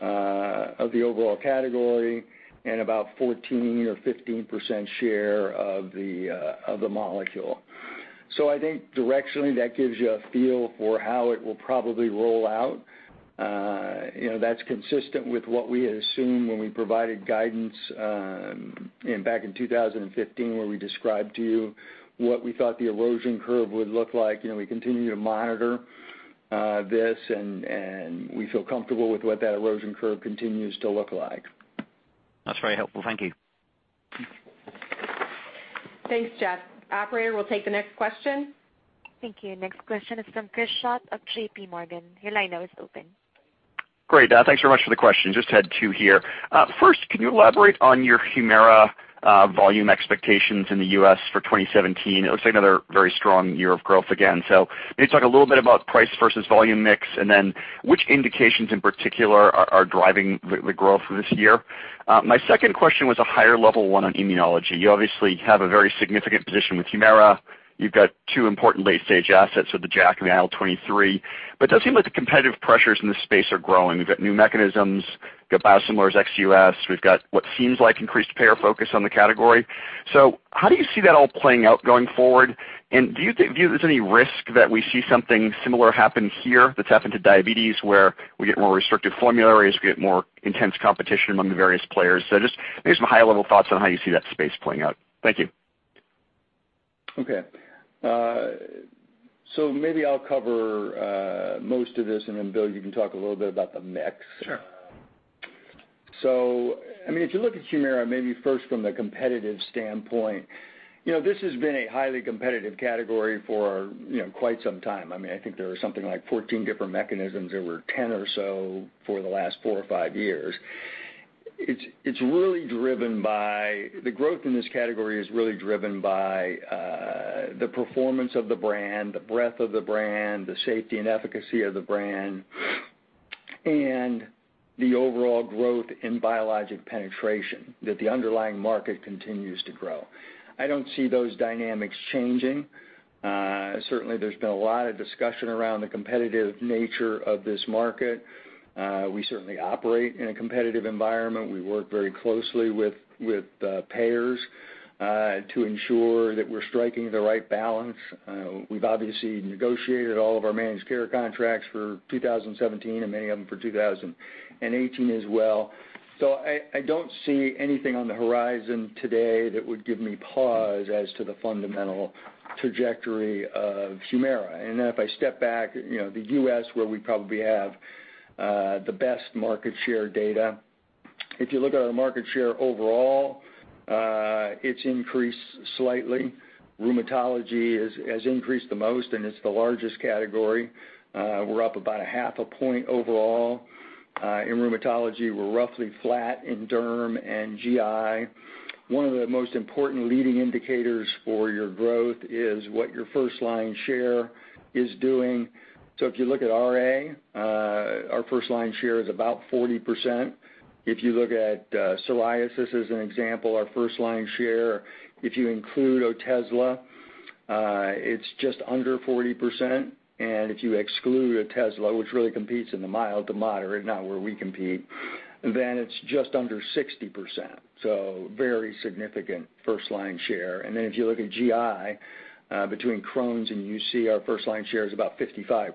of the overall category and about 14% or 15% share of the molecule. I think directionally, that gives you a feel for how it will probably roll out. That's consistent with what we had assumed when we provided guidance back in 2015, where we described to you what we thought the erosion curve would look like. We continue to monitor this, and we feel comfortable with what that erosion curve continues to look like. That's very helpful. Thank you. Thanks, Geoff. Operator, we'll take the next question. Thank you. Next question is from Chris Schott of JPMorgan. Your line now is open. Great. Thanks very much for the question. Just had 2 here. First, can you elaborate on your HUMIRA volume expectations in the U.S. for 2017? It looks like another very strong year of growth again. Maybe talk a little bit about price versus volume mix, and then which indications in particular are driving the growth this year? My second question was a higher level one on immunology. You obviously have a very significant position with HUMIRA. You've got 2 important late-stage assets with the JAK and the IL-23. It does seem like the competitive pressures in this space are growing. We've got new mechanisms, got biosimilars ex U.S. We've got what seems like increased payer focus on the category. How do you see that all playing out going forward? Do you think there's any risk that we see something similar happen here that's happened to diabetes, where we get more restrictive formularies, we get more intense competition among the various players? Just maybe some high-level thoughts on how you see that space playing out. Thank you. Okay. I'll cover most of this, and then Bill, you can talk a little bit about the mix. Sure. If you look at HUMIRA, maybe first from the competitive standpoint, this has been a highly competitive category for quite some time. I think there are something like 14 different mechanisms. There were 10 or so for the last four or five years. The growth in this category is really driven by the performance of the brand, the breadth of the brand, the safety and efficacy of the brand, and the overall growth in biologic penetration, that the underlying market continues to grow. I don't see those dynamics changing. Certainly, there's been a lot of discussion around the competitive nature of this market. We certainly operate in a competitive environment. We work very closely with payers, to ensure that we're striking the right balance. We've obviously negotiated all of our managed care contracts for 2017 and many of them for 2018 as well. I don't see anything on the horizon today that would give me pause as to the fundamental trajectory of HUMIRA. Then if I step back, the U.S., where we probably have the best market share data, if you look at our market share overall, it's increased slightly. Rheumatology has increased the most, and it's the largest category. We're up about a half a point overall. In rheumatology, we're roughly flat; in derm and GI. One of the most important leading indicators for your growth is what your first-line share is doing. If you look at RA, our first-line share is about 40%. If you look at psoriasis as an example, our first-line share, if you include OTEZLA, it's just under 40%. If you exclude OTEZLA, which really competes in the mild to moderate, not where we compete, then it's just under 60%. Very significant first-line share. Then if you look at GI, between Crohn's and UC, our first-line share is about 55%.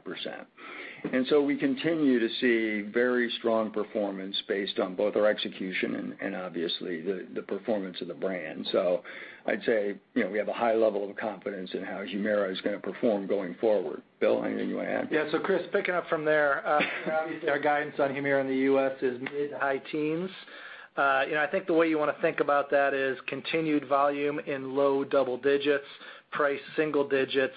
We continue to see very strong performance based on both our execution and obviously the performance of the brand. I'd say we have a high level of confidence in how HUMIRA is going to perform going forward. Bill, anything you want to add? Yeah. Chris, picking up from there, obviously our guidance on HUMIRA in the U.S. is mid-to-high teens. I think the way you want to think about that is continued volume in low double digits, price single digits.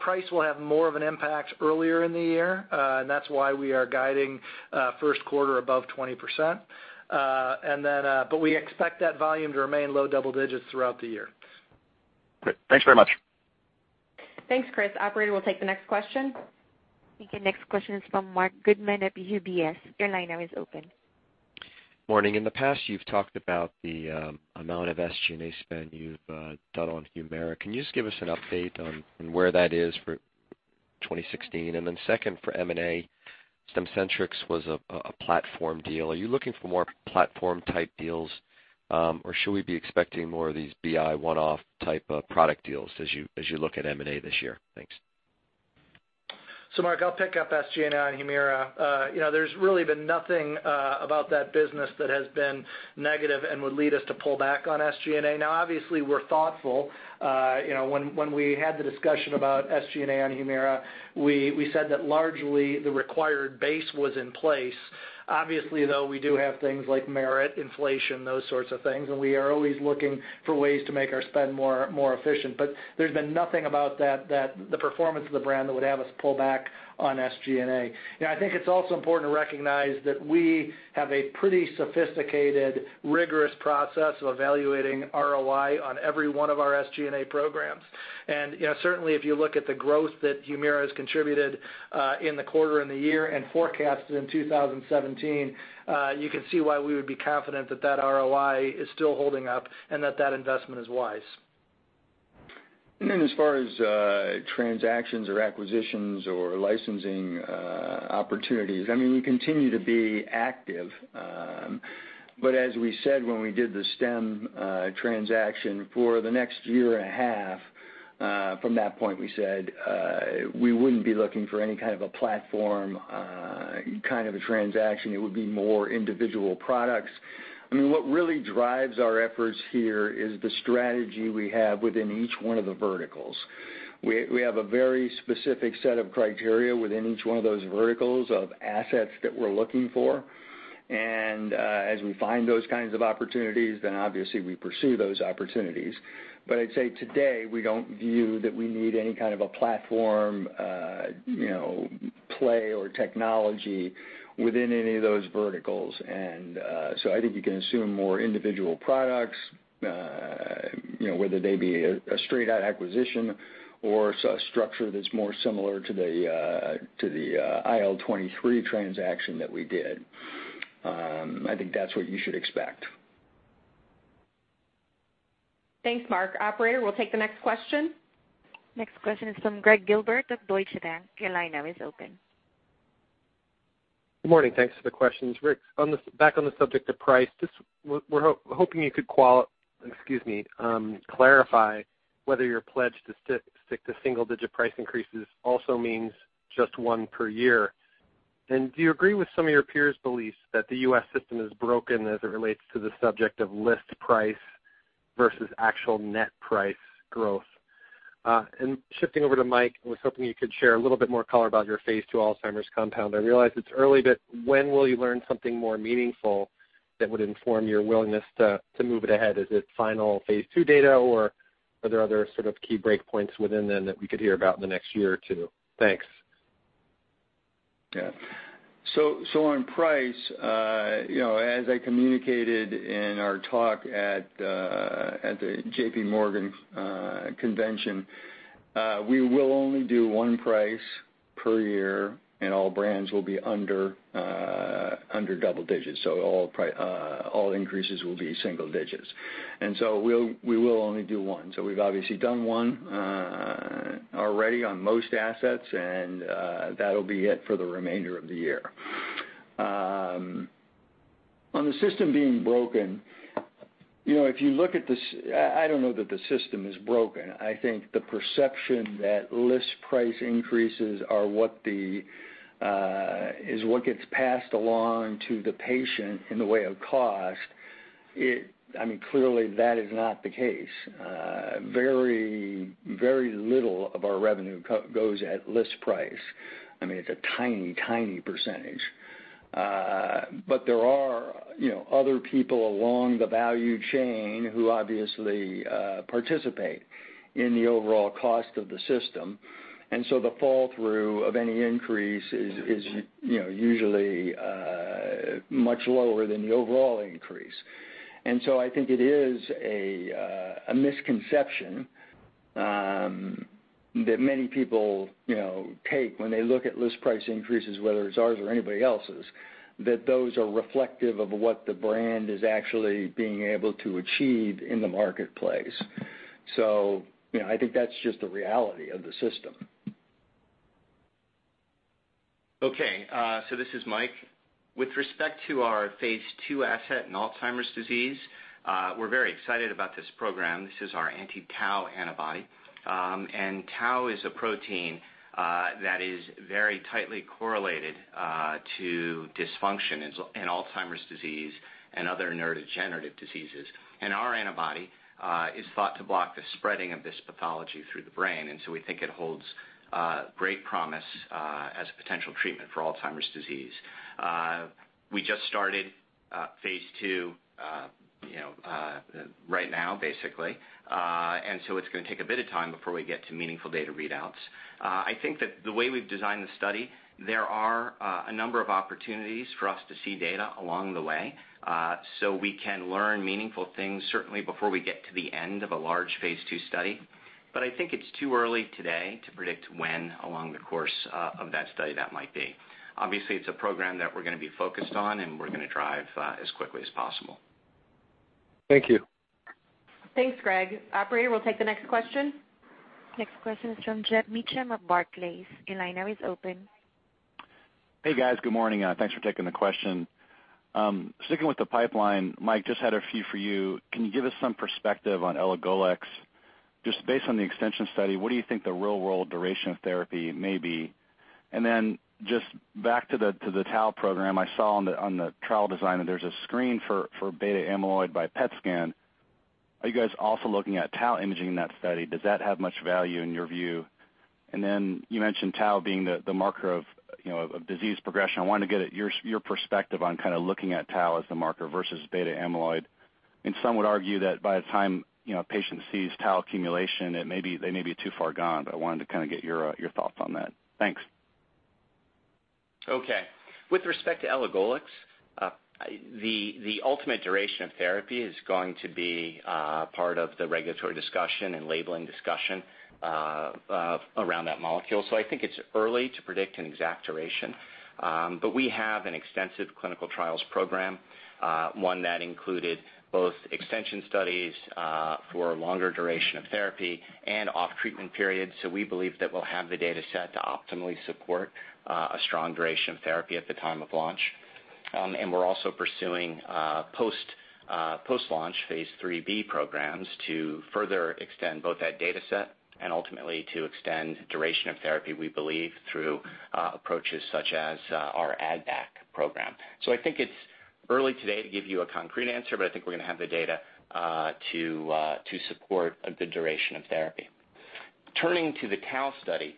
Price will have more of an impact earlier in the year, that's why we are guiding first quarter above 20%. We expect that volume to remain low double digits throughout the year. Great. Thanks very much. Thanks, Chris. Operator, we'll take the next question. Okay, next question is from Marc Goodman at UBS. Your line now is open. Morning. In the past, you've talked about the amount of SG&A spend you've done on HUMIRA. Can you just give us an update on where that is for 2016? Second for M&A, Stemcentrx was a platform deal. Are you looking for more platform-type deals, or should we be expecting more of these BI one-off type of product deals as you look at M&A this year? Thanks. Mark, I'll pick up SG&A on HUMIRA. There's really been nothing about that business that has been negative and would lead us to pull back on SG&A. Obviously, we're thoughtful. When we had the discussion about SG&A on HUMIRA, we said that largely the required base was in place. Obviously, though, we do have things like merit, inflation, those sorts of things, and we are always looking for ways to make our spend more efficient. There's been nothing about the performance of the brand that would have us pull back on SG&A. I think it's also important to recognize that we have a pretty sophisticated, rigorous process of evaluating ROI on every one of our SG&A programs. Certainly, if you look at the growth that HUMIRA has contributed, in the quarter and the year and forecasted in 2017, you can see why we would be confident that that ROI is still holding up and that that investment is wise. As far as transactions or acquisitions or licensing opportunities, we continue to be active. As we said when we did the Stemcentrx transaction, for the next year and a half, from that point, we said, we wouldn't be looking for any kind of a platform, kind of a transaction. It would be more individual products. What really drives our efforts here is the strategy we have within each one of the verticals. We have a very specific set of criteria within each one of those verticals of assets that we're looking for. As we find those kinds of opportunities, obviously we pursue those opportunities. I'd say today, we don't view that we need any kind of a platform play or technology within any of those verticals. I think you can assume more individual products, whether they be a straight out acquisition or a structure that's more similar to the IL-23 transaction that we did. I think that's what you should expect. Thanks, Mark. Operator, we'll take the next question. Next question is from Gregg Gilbert of Deutsche Bank. Your line now is open. Good morning. Thanks for the questions. Rick, back on the subject of price, just we're hoping you could clarify whether your pledge to stick to single-digit price increases also means just one per year. Do you agree with some of your peers' beliefs that the U.S. system is broken as it relates to the subject of list price versus actual net price growth? Shifting over to Mike, I was hoping you could share a little bit more color about your phase II Alzheimer's compound. I realize it's early, but when will you learn something more meaningful that would inform your willingness to move it ahead? Is it final phase II data, or are there other sort of key breakpoints within then that we could hear about in the next year or two? Thanks. On price, as I communicated in our talk at the JPMorgan convention, we will only do one price per year. All brands will be under double digits. All increases will be single digits. We will only do one. We've obviously done one already on most assets, and that'll be it for the remainder of the year. On the system being broken, I don't know that the system is broken. I think the perception that list price increases are what gets passed along to the patient in the way of cost, clearly that is not the case. Very little of our revenue goes at list price. It's a tiny percentage. There are other people along the value chain who obviously participate in the overall cost of the system. The fall through of any increase is usually much lower than the overall increase. I think it is a misconception that many people take when they look at list price increases, whether it's ours or anybody else's, that those are reflective of what the brand is actually being able to achieve in the marketplace. I think that's just the reality of the system. This is Mike. With respect to our phase II asset in Alzheimer's disease, we're very excited about this program. This is our anti-tau antibody. Tau is a protein that is very tightly correlated to dysfunction in Alzheimer's disease and other neurodegenerative diseases. Our antibody is thought to block the spreading of this pathology through the brain. We think it holds great promise as a potential treatment for Alzheimer's disease. We just started phase II right now, basically. It's going to take a bit of time before we get to meaningful data readouts. I think that the way we've designed the study, there are a number of opportunities for us to see data along the way, so we can learn meaningful things, certainly before we get to the end of a large phase II study. I think it's too early today to predict when along the course of that study that might be. Obviously, it's a program that we're going to be focused on, and we're going to drive as quickly as possible. Thank you. Thanks, Gregg. Operator, we'll take the next question. Next question is from Geoff Meacham of Barclays. Your line now is open. Hey, guys. Good morning. Thanks for taking the question. Sticking with the pipeline, Mike, just had a few for you. Can you give us some perspective on elagolix? Just based on the extension study, what do you think the real-world duration of therapy may be? Then just back to the tau program, I saw on the trial design that there's a screen for beta-amyloid by PET scan. Are you guys also looking at tau imaging in that study? Does that have much value in your view? Then you mentioned tau being the marker of disease progression. I wanted to get your perspective on kind of looking at tau as the marker versus beta-amyloid. Some would argue that by the time a patient sees tau accumulation, they may be too far gone, but I wanted to kind of get your thoughts on that. Thanks. Okay. With respect to elagolix, the ultimate duration of therapy is going to be part of the regulatory discussion and labeling discussion around that molecule. I think it's early to predict an exact duration. We have an extensive clinical trials program, one that included both extension studies for a longer duration of therapy and off treatment periods. We believe that we'll have the data set to optimally support a strong duration of therapy at the time of launch. We're also pursuing post-launch phase III-B programs to further extend both that data set and ultimately to extend duration of therapy, we believe, through approaches such as our add-back program. I think it's early today to give you a concrete answer, but I think we're going to have the data to support a good duration of therapy. Turning to the tau study,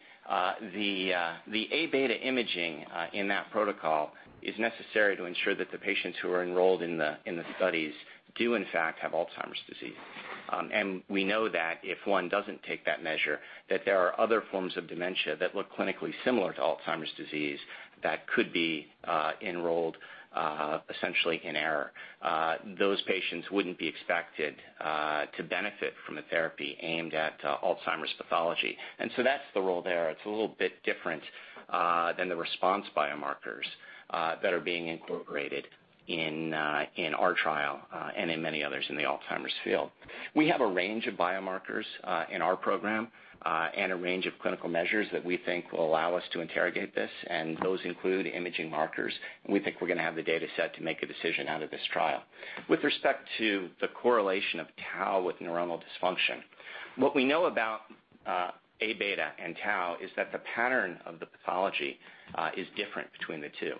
the A-beta imaging in that protocol is necessary to ensure that the patients who are enrolled in the studies do in fact have Alzheimer's disease. We know that if one doesn't take that measure, that there are other forms of dementia that look clinically similar to Alzheimer's disease that could be enrolled essentially in error. Those patients wouldn't be expected to benefit from a therapy aimed at Alzheimer's pathology. That's the role there. It's a little bit different than the response biomarkers that are being incorporated in our trial and in many others in the Alzheimer's field. We have a range of biomarkers in our program and a range of clinical measures that we think will allow us to interrogate this, those include imaging markers, we think we're going to have the data set to make a decision out of this trial. With respect to the correlation of tau with neuronal dysfunction, what we know about A-beta and tau is that the pattern of the pathology is different between the two.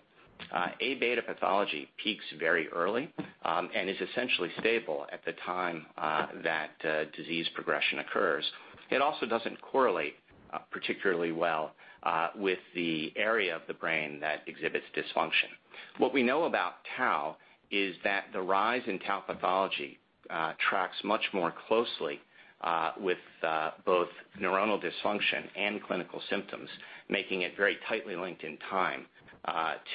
A-beta pathology peaks very early and is essentially stable at the time that disease progression occurs. It also doesn't correlate particularly well with the area of the brain that exhibits dysfunction. What we know about tau is that the rise in tau pathology tracks much more closely with both neuronal dysfunction and clinical symptoms, making it very tightly linked in time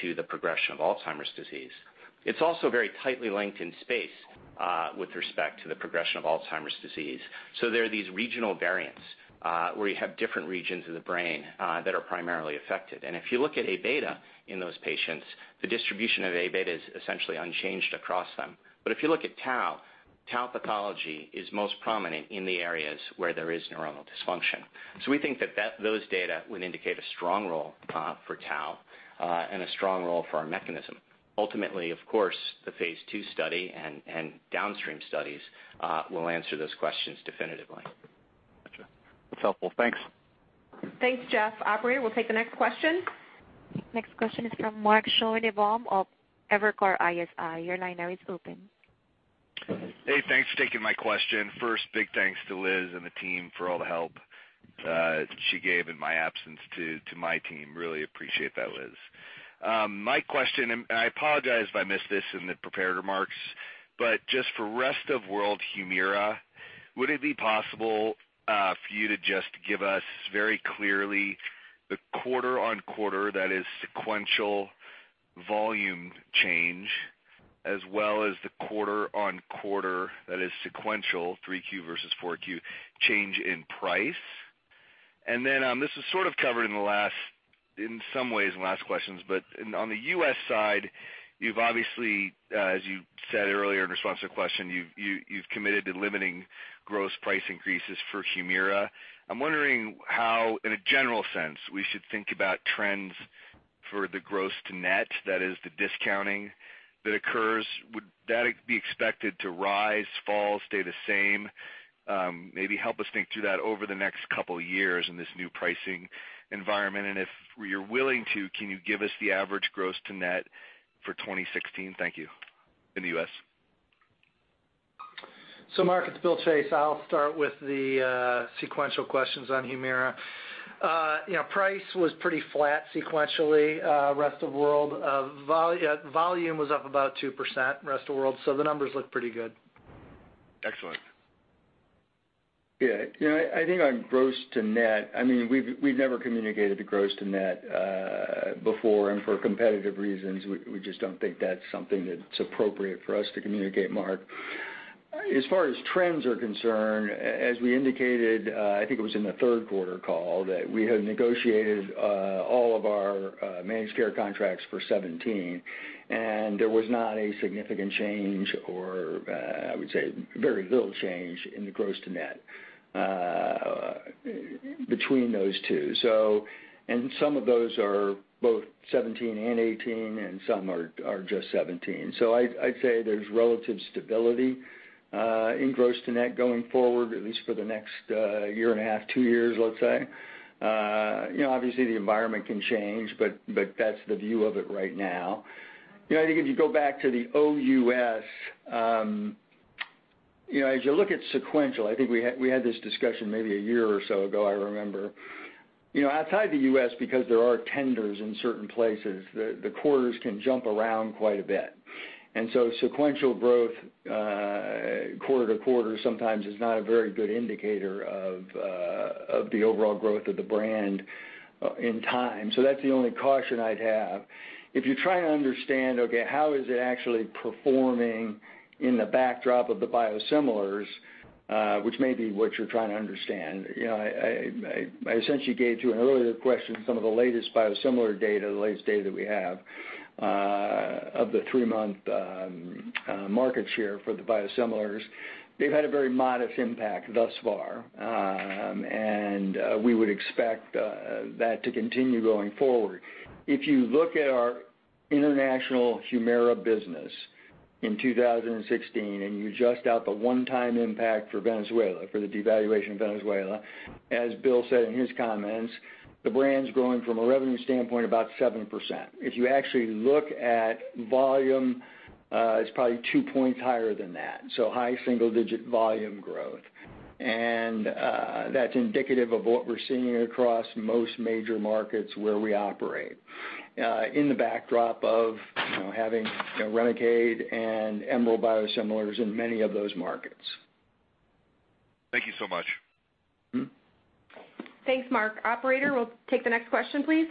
to the progression of Alzheimer's disease. It's also very tightly linked in space with respect to the progression of Alzheimer's disease. There are these regional variants, where you have different regions of the brain that are primarily affected. If you look at A-beta in those patients, the distribution of A-beta is essentially unchanged across them. If you look at tau pathology is most prominent in the areas where there is neuronal dysfunction. We think that those data would indicate a strong role for tau, and a strong role for our mechanism. Ultimately, of course, the phase II study and downstream studies will answer those questions definitively. Gotcha. That's helpful. Thanks. Thanks, Jeff. Operator, we'll take the next question. Next question is from Mark Schoenebaum of Evercore ISI. Your line now is open. Hey, thanks for taking my question. First, big thanks to Liz and the team for all the help that she gave in my absence to my team. Really appreciate that, Liz. My question, I apologize if I missed this in the prepared remarks, but just for rest of world HUMIRA, would it be possible for you to just give us very clearly the quarter-on-quarter that is sequential volume change, as well as the quarter-on-quarter, that is sequential 3Q versus 4Q, change in price? Then, this was sort of covered in some ways in last questions, but on the U.S. side, you've obviously, as you said earlier in response to a question, you've committed to limiting gross price increases for HUMIRA. I'm wondering how, in a general sense, we should think about trends for the gross to net, that is the discounting that occurs. Would that be expected to rise, fall, stay the same? Maybe help us think through that over the next couple of years in this new pricing environment. If you're willing to, can you give us the average gross to net for 2016? Thank you. In the U.S. Mark, it's Bill Chase. I'll start with the sequential questions on HUMIRA. Price was pretty flat sequentially, rest of world. Volume was up about 2% rest of world. The numbers look pretty good. Excellent. Yeah. I think on gross to net, we've never communicated a gross to net before. For competitive reasons, we just don't think that's something that's appropriate for us to communicate, Mark. As far as trends are concerned, as we indicated, I think it was in the third quarter call, that we had negotiated all of our managed care contracts for 2017. There was not a significant change or, I would say very little change, in the gross to net between those two. Some of those are both 2017 and 2018, and some are just 2017. I'd say there's relative stability in gross to net going forward, at least for the next year and a half, two years, let's say. Obviously the environment can change, but that's the view of it right now. I think if you go back to the OUS, as you look at sequential, I think we had this discussion maybe a year or so ago, I remember. Outside the U.S., because there are tenders in certain places, the quarters can jump around quite a bit. Sequential growth quarter to quarter sometimes is not a very good indicator of the overall growth of the brand in time. That's the only caution I'd have. If you try to understand, okay, how is it actually performing in the backdrop of the biosimilars, which may be what you're trying to understand. I essentially gave you in an earlier question some of the latest biosimilar data, the latest data that we have, of the three-month market share for the biosimilars. They've had a very modest impact thus far. We would expect that to continue going forward. If you look at our international HUMIRA business in 2016, you adjust out the one-time impact for Venezuela, for the devaluation of Venezuela, as Bill said in his comments, the brand's growing from a revenue standpoint about 7%. If you actually look at volume, it's probably two points higher than that. High single-digit volume growth. That's indicative of what we're seeing across most major markets where we operate, in the backdrop of having Remsima and Amgen biosimilars in many of those markets. Thank you so much. Thanks, Mark. Operator, we'll take the next question, please.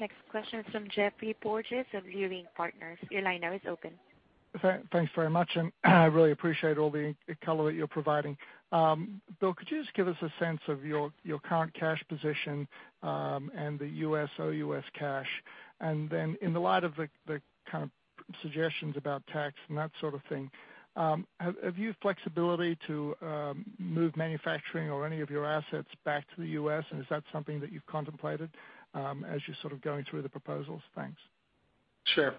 Next question is from Geoffrey Porges of Leerink Partners. Your line now is open. Thanks very much. I really appreciate all the color that you're providing. Bill, could you just give us a sense of your current cash position, and the U.S., OUS cash? In the light of the kind of suggestions about tax and that sort of thing, have you flexibility to move manufacturing or any of your assets back to the U.S., and is that something that you've contemplated as you're sort of going through the proposals? Thanks. Sure.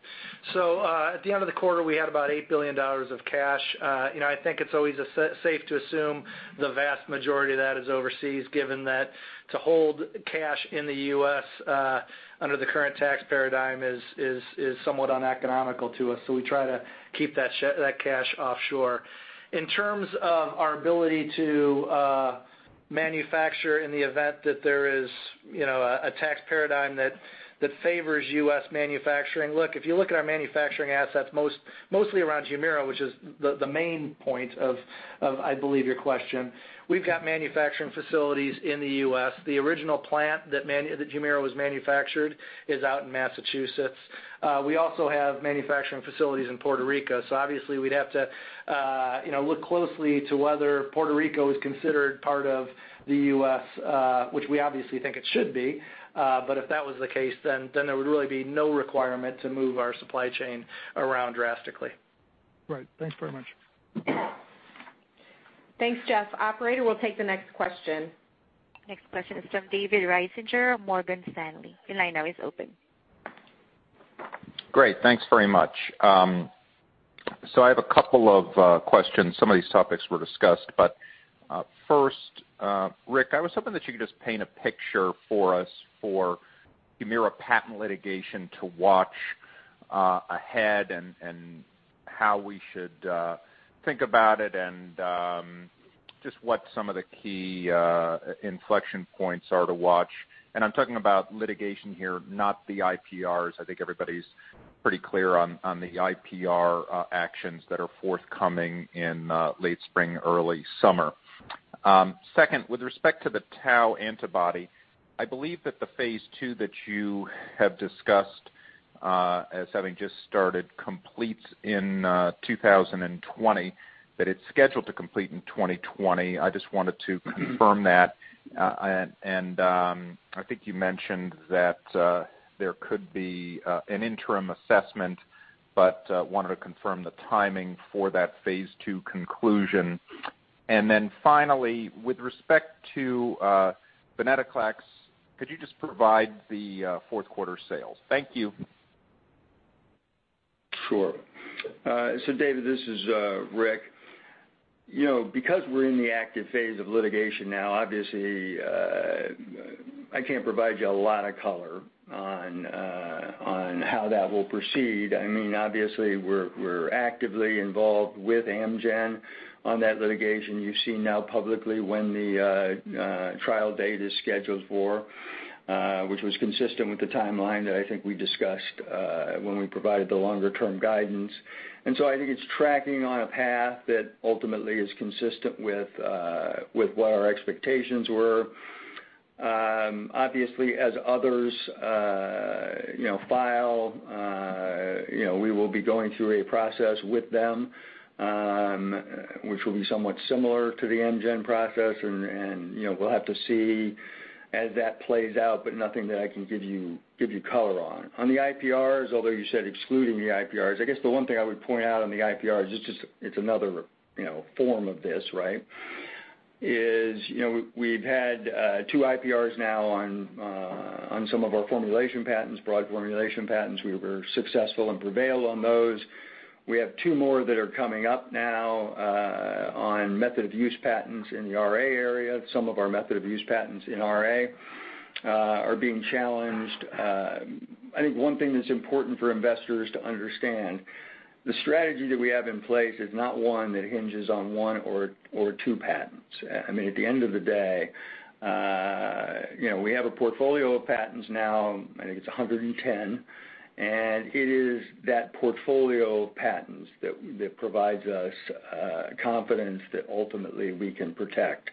At the end of the quarter, we had about $8 billion of cash. I think it's always safe to assume the vast majority of that is overseas, given that to hold cash in the U.S. under the current tax paradigm is somewhat uneconomical to us, we try to keep that cash offshore. In terms of our ability to manufacture in the event that there is a tax paradigm that favors U.S. manufacturing, look, if you look at our manufacturing assets, most Mostly aroundHUMIRA, which is the main point of, I believe, your question. We've got manufacturing facilities in the U.S. The original plant that HUMIRA was manufactured is out in Massachusetts. We also have manufacturing facilities in Puerto Rico. Obviously, we'd have to look closely to whether Puerto Rico is considered part of the U.S., which we obviously think it should be. If that was the case, there would really be no requirement to move our supply chain around drastically. Right. Thanks very much. Thanks, Jeff. Operator, we'll take the next question. Next question is from David Risinger, Morgan Stanley. Your line now is open. Great. Thanks very much. I have a couple of questions. Some of these topics were discussed. First, Rick, I was hoping that you could just paint a picture for us for HUMIRA patent litigation to watch ahead and how we should think about it, and just what some of the key inflection points are to watch. I'm talking about litigation here, not the IPRs. I think everybody's pretty clear on the IPR actions that are forthcoming in late spring, early summer. Second, with respect to the tau antibody, I believe that the phase II that you have discussed, as having just started, completes in 2020, that it's scheduled to complete in 2020. I just wanted to confirm that. I think you mentioned that there could be an interim assessment, but wanted to confirm the timing for that phase II conclusion. Finally, with respect to VENCLEXTA, could you just provide the fourth quarter sales? Thank you. David, this is Rick. Because we're in the active phase of litigation now, obviously, I can't provide you a lot of color on how that will proceed. We're actively involved with Amgen on that litigation. You've seen now publicly when the trial date is scheduled for, which was consistent with the timeline that I think we discussed when we provided the longer-term guidance. I think it's tracking on a path that ultimately is consistent with what our expectations were. As others file, we will be going through a process with them, which will be somewhat similar to the Amgen process, and we'll have to see as that plays out, but nothing that I can give you color on. On the IPRs, although you said excluding the IPRs, I guess the one thing I would point out on the IPRs, it's another form of this, right, is we've had two IPRs now on some of our formulation patents, broad formulation patents. We were successful and prevailed on those. We have two more that are coming up now on method of use patents in the RA area. Some of our method of use patents in RA are being challenged. I think one thing that's important for investors to understand, the strategy that we have in place is not one that hinges on one or two patents. At the end of the day, we have a portfolio of patents now, I think it's 110, and it is that portfolio of patents that provides us confidence that ultimately we can protect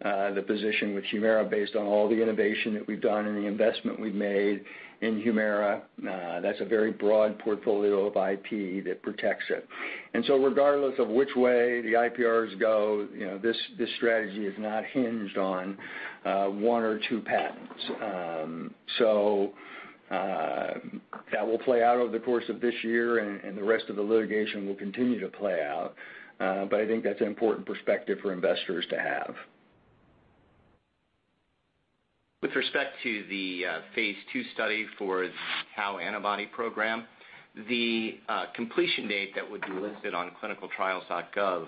the position with HUMIRA based on all the innovation that we've done and the investment we've made in Humira. That's a very broad portfolio of IP that protects it. Regardless of which way the IPRs go, this strategy is not hinged on one or two patents. That will play out over the course of this year, and the rest of the litigation will continue to play out. I think that's an important perspective for investors to have. With respect to the phase II study for tau antibody program, the completion date that would be listed on clinicaltrials.gov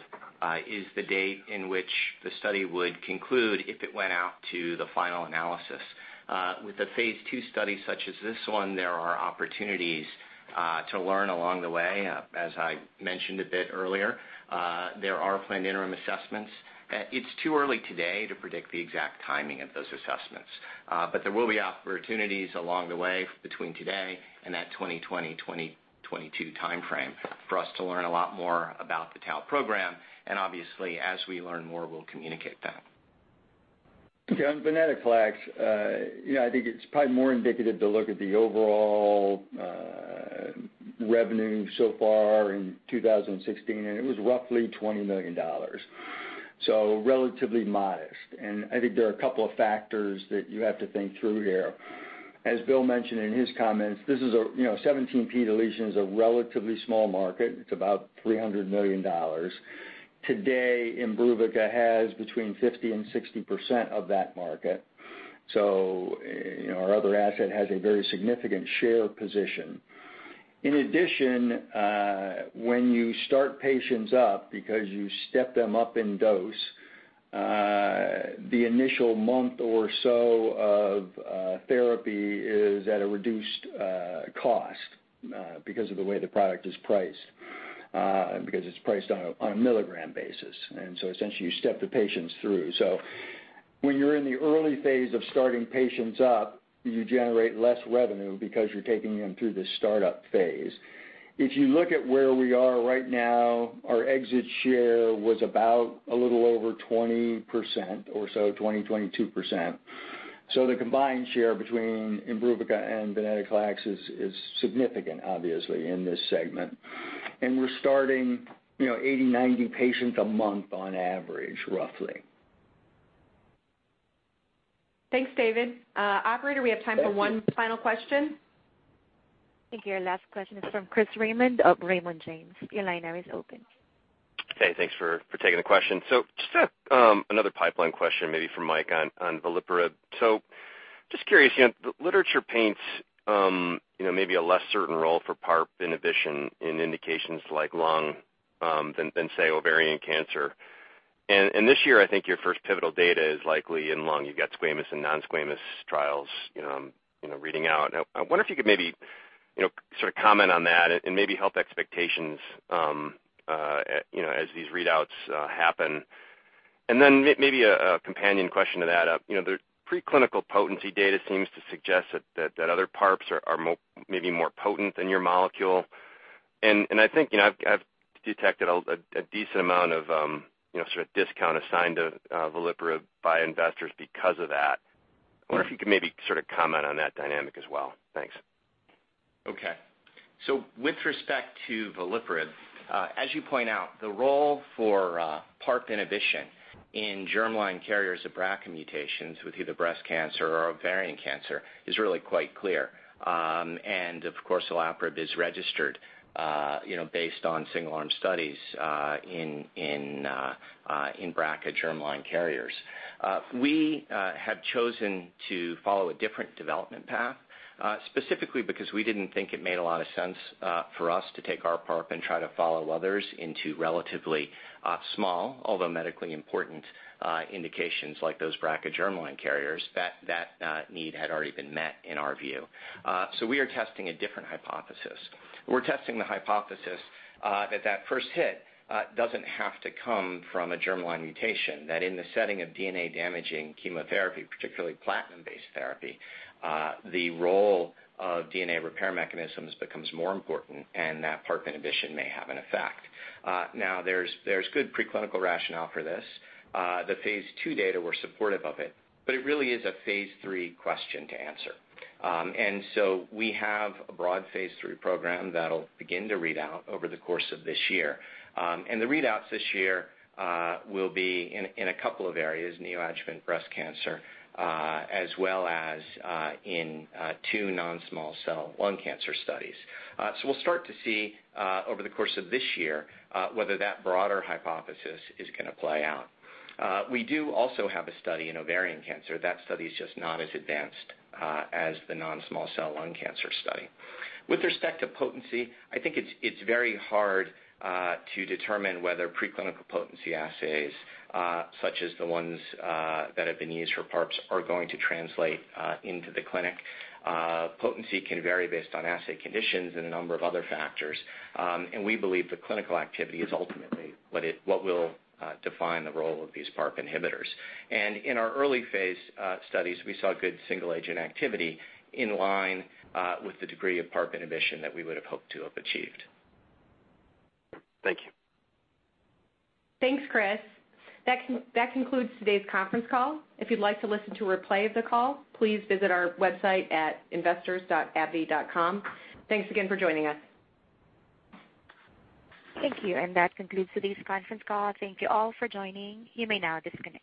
is the date in which the study would conclude if it went out to the final analysis. With the phase II study such as this one, there are opportunities to learn along the way. As I mentioned a bit earlier, there are planned interim assessments. It's too early today to predict the exact timing of those assessments. There will be opportunities along the way between today and that 2020, 2022 timeframe for us to learn a lot more about the tau program. Obviously, as we learn more, we'll communicate that. Yeah, on venetoclax, I think it's probably more indicative to look at the overall revenue so far in 2016, and it was roughly $20 million. Relatively modest. I think there are a couple of factors that you have to think through there. As Bill mentioned in his comments, 17p deletion is a relatively small market. It's about $300 million. Today, IMBRUVICA has between 50%-60% of that market. Our other asset has a very significant share position. In addition, when you start patients up, because you step them up in dose, the initial month or so of therapy is at a reduced cost because of the way the product is priced, because it's priced on a milligram basis. Essentially, you step the patients through. When you're in the early phase of starting patients up, you generate less revenue because you're taking them through the startup phase. If you look at where we are right now, our exit share was about a little over 20% or so, 20%-22%. The combined share between IMBRUVICA and venetoclax is significant, obviously, in this segment. We're starting 80-90 patients a month on average, roughly. Thanks, David. Operator, we have time for one final question. I think your last question is from Chris Raymond of Raymond James. Your line now is open. Hey, thanks for taking the question. Just another pipeline question maybe for Mike on veliparib. Just curious, the literature paints maybe a less certain role for PARP inhibition in indications like lung than, say, ovarian cancer. This year, I think your first pivotal data is likely in lung. You've got squamous and non-squamous trials reading out. I wonder if you could maybe sort of comment on that and maybe help expectations as these readouts happen. Maybe a companion question to that, the preclinical potency data seems to suggest that other PARPs are maybe more potent than your molecule. I think I've detected a decent amount of sort of discount assigned to veliparib by investors because of that. I wonder if you could maybe sort of comment on that dynamic as well. Thanks. Okay. With respect to veliparib, as you point out, the role for PARP inhibition in germline carriers of BRCA mutations with either breast cancer or ovarian cancer is really quite clear. Of course, olaparib is registered based on single-arm studies in BRCA germline carriers. We have chosen to follow a different development path, specifically because we didn't think it made a lot of sense for us to take our PARP and try to follow others into relatively small, although medically important, indications like those BRCA germline carriers. That need had already been met in our view. We are testing a different hypothesis. We're testing the hypothesis that that first hit doesn't have to come from a germline mutation, that in the setting of DNA-damaging chemotherapy, particularly platinum-based therapy, the role of DNA repair mechanisms becomes more important, and that PARP inhibition may have an effect. There's good preclinical rationale for this. The phase II data were supportive of it, but it really is a phase III question to answer. We have a broad phase III program that'll begin to read out over the course of this year. The readouts this year will be in a couple of areas, neoadjuvant breast cancer, as well as in two non-small cell lung cancer studies. We'll start to see over the course of this year whether that broader hypothesis is going to play out. We do also have a study in ovarian cancer. That study is just not as advanced as the non-small cell lung cancer study. With respect to potency, I think it's very hard to determine whether preclinical potency assays, such as the ones that have been used for PARPs, are going to translate into the clinic. Potency can vary based on assay conditions and a number of other factors. We believe the clinical activity is ultimately what will define the role of these PARP inhibitors. In our early phase studies, we saw good single-agent activity in line with the degree of PARP inhibition that we would have hoped to have achieved. Thank you. Thanks, Chris. That concludes today's conference call. If you'd like to listen to a replay of the call, please visit our website at investors.abbvie.com. Thanks again for joining us. Thank you. That concludes today's conference call. Thank you all for joining. You may now disconnect.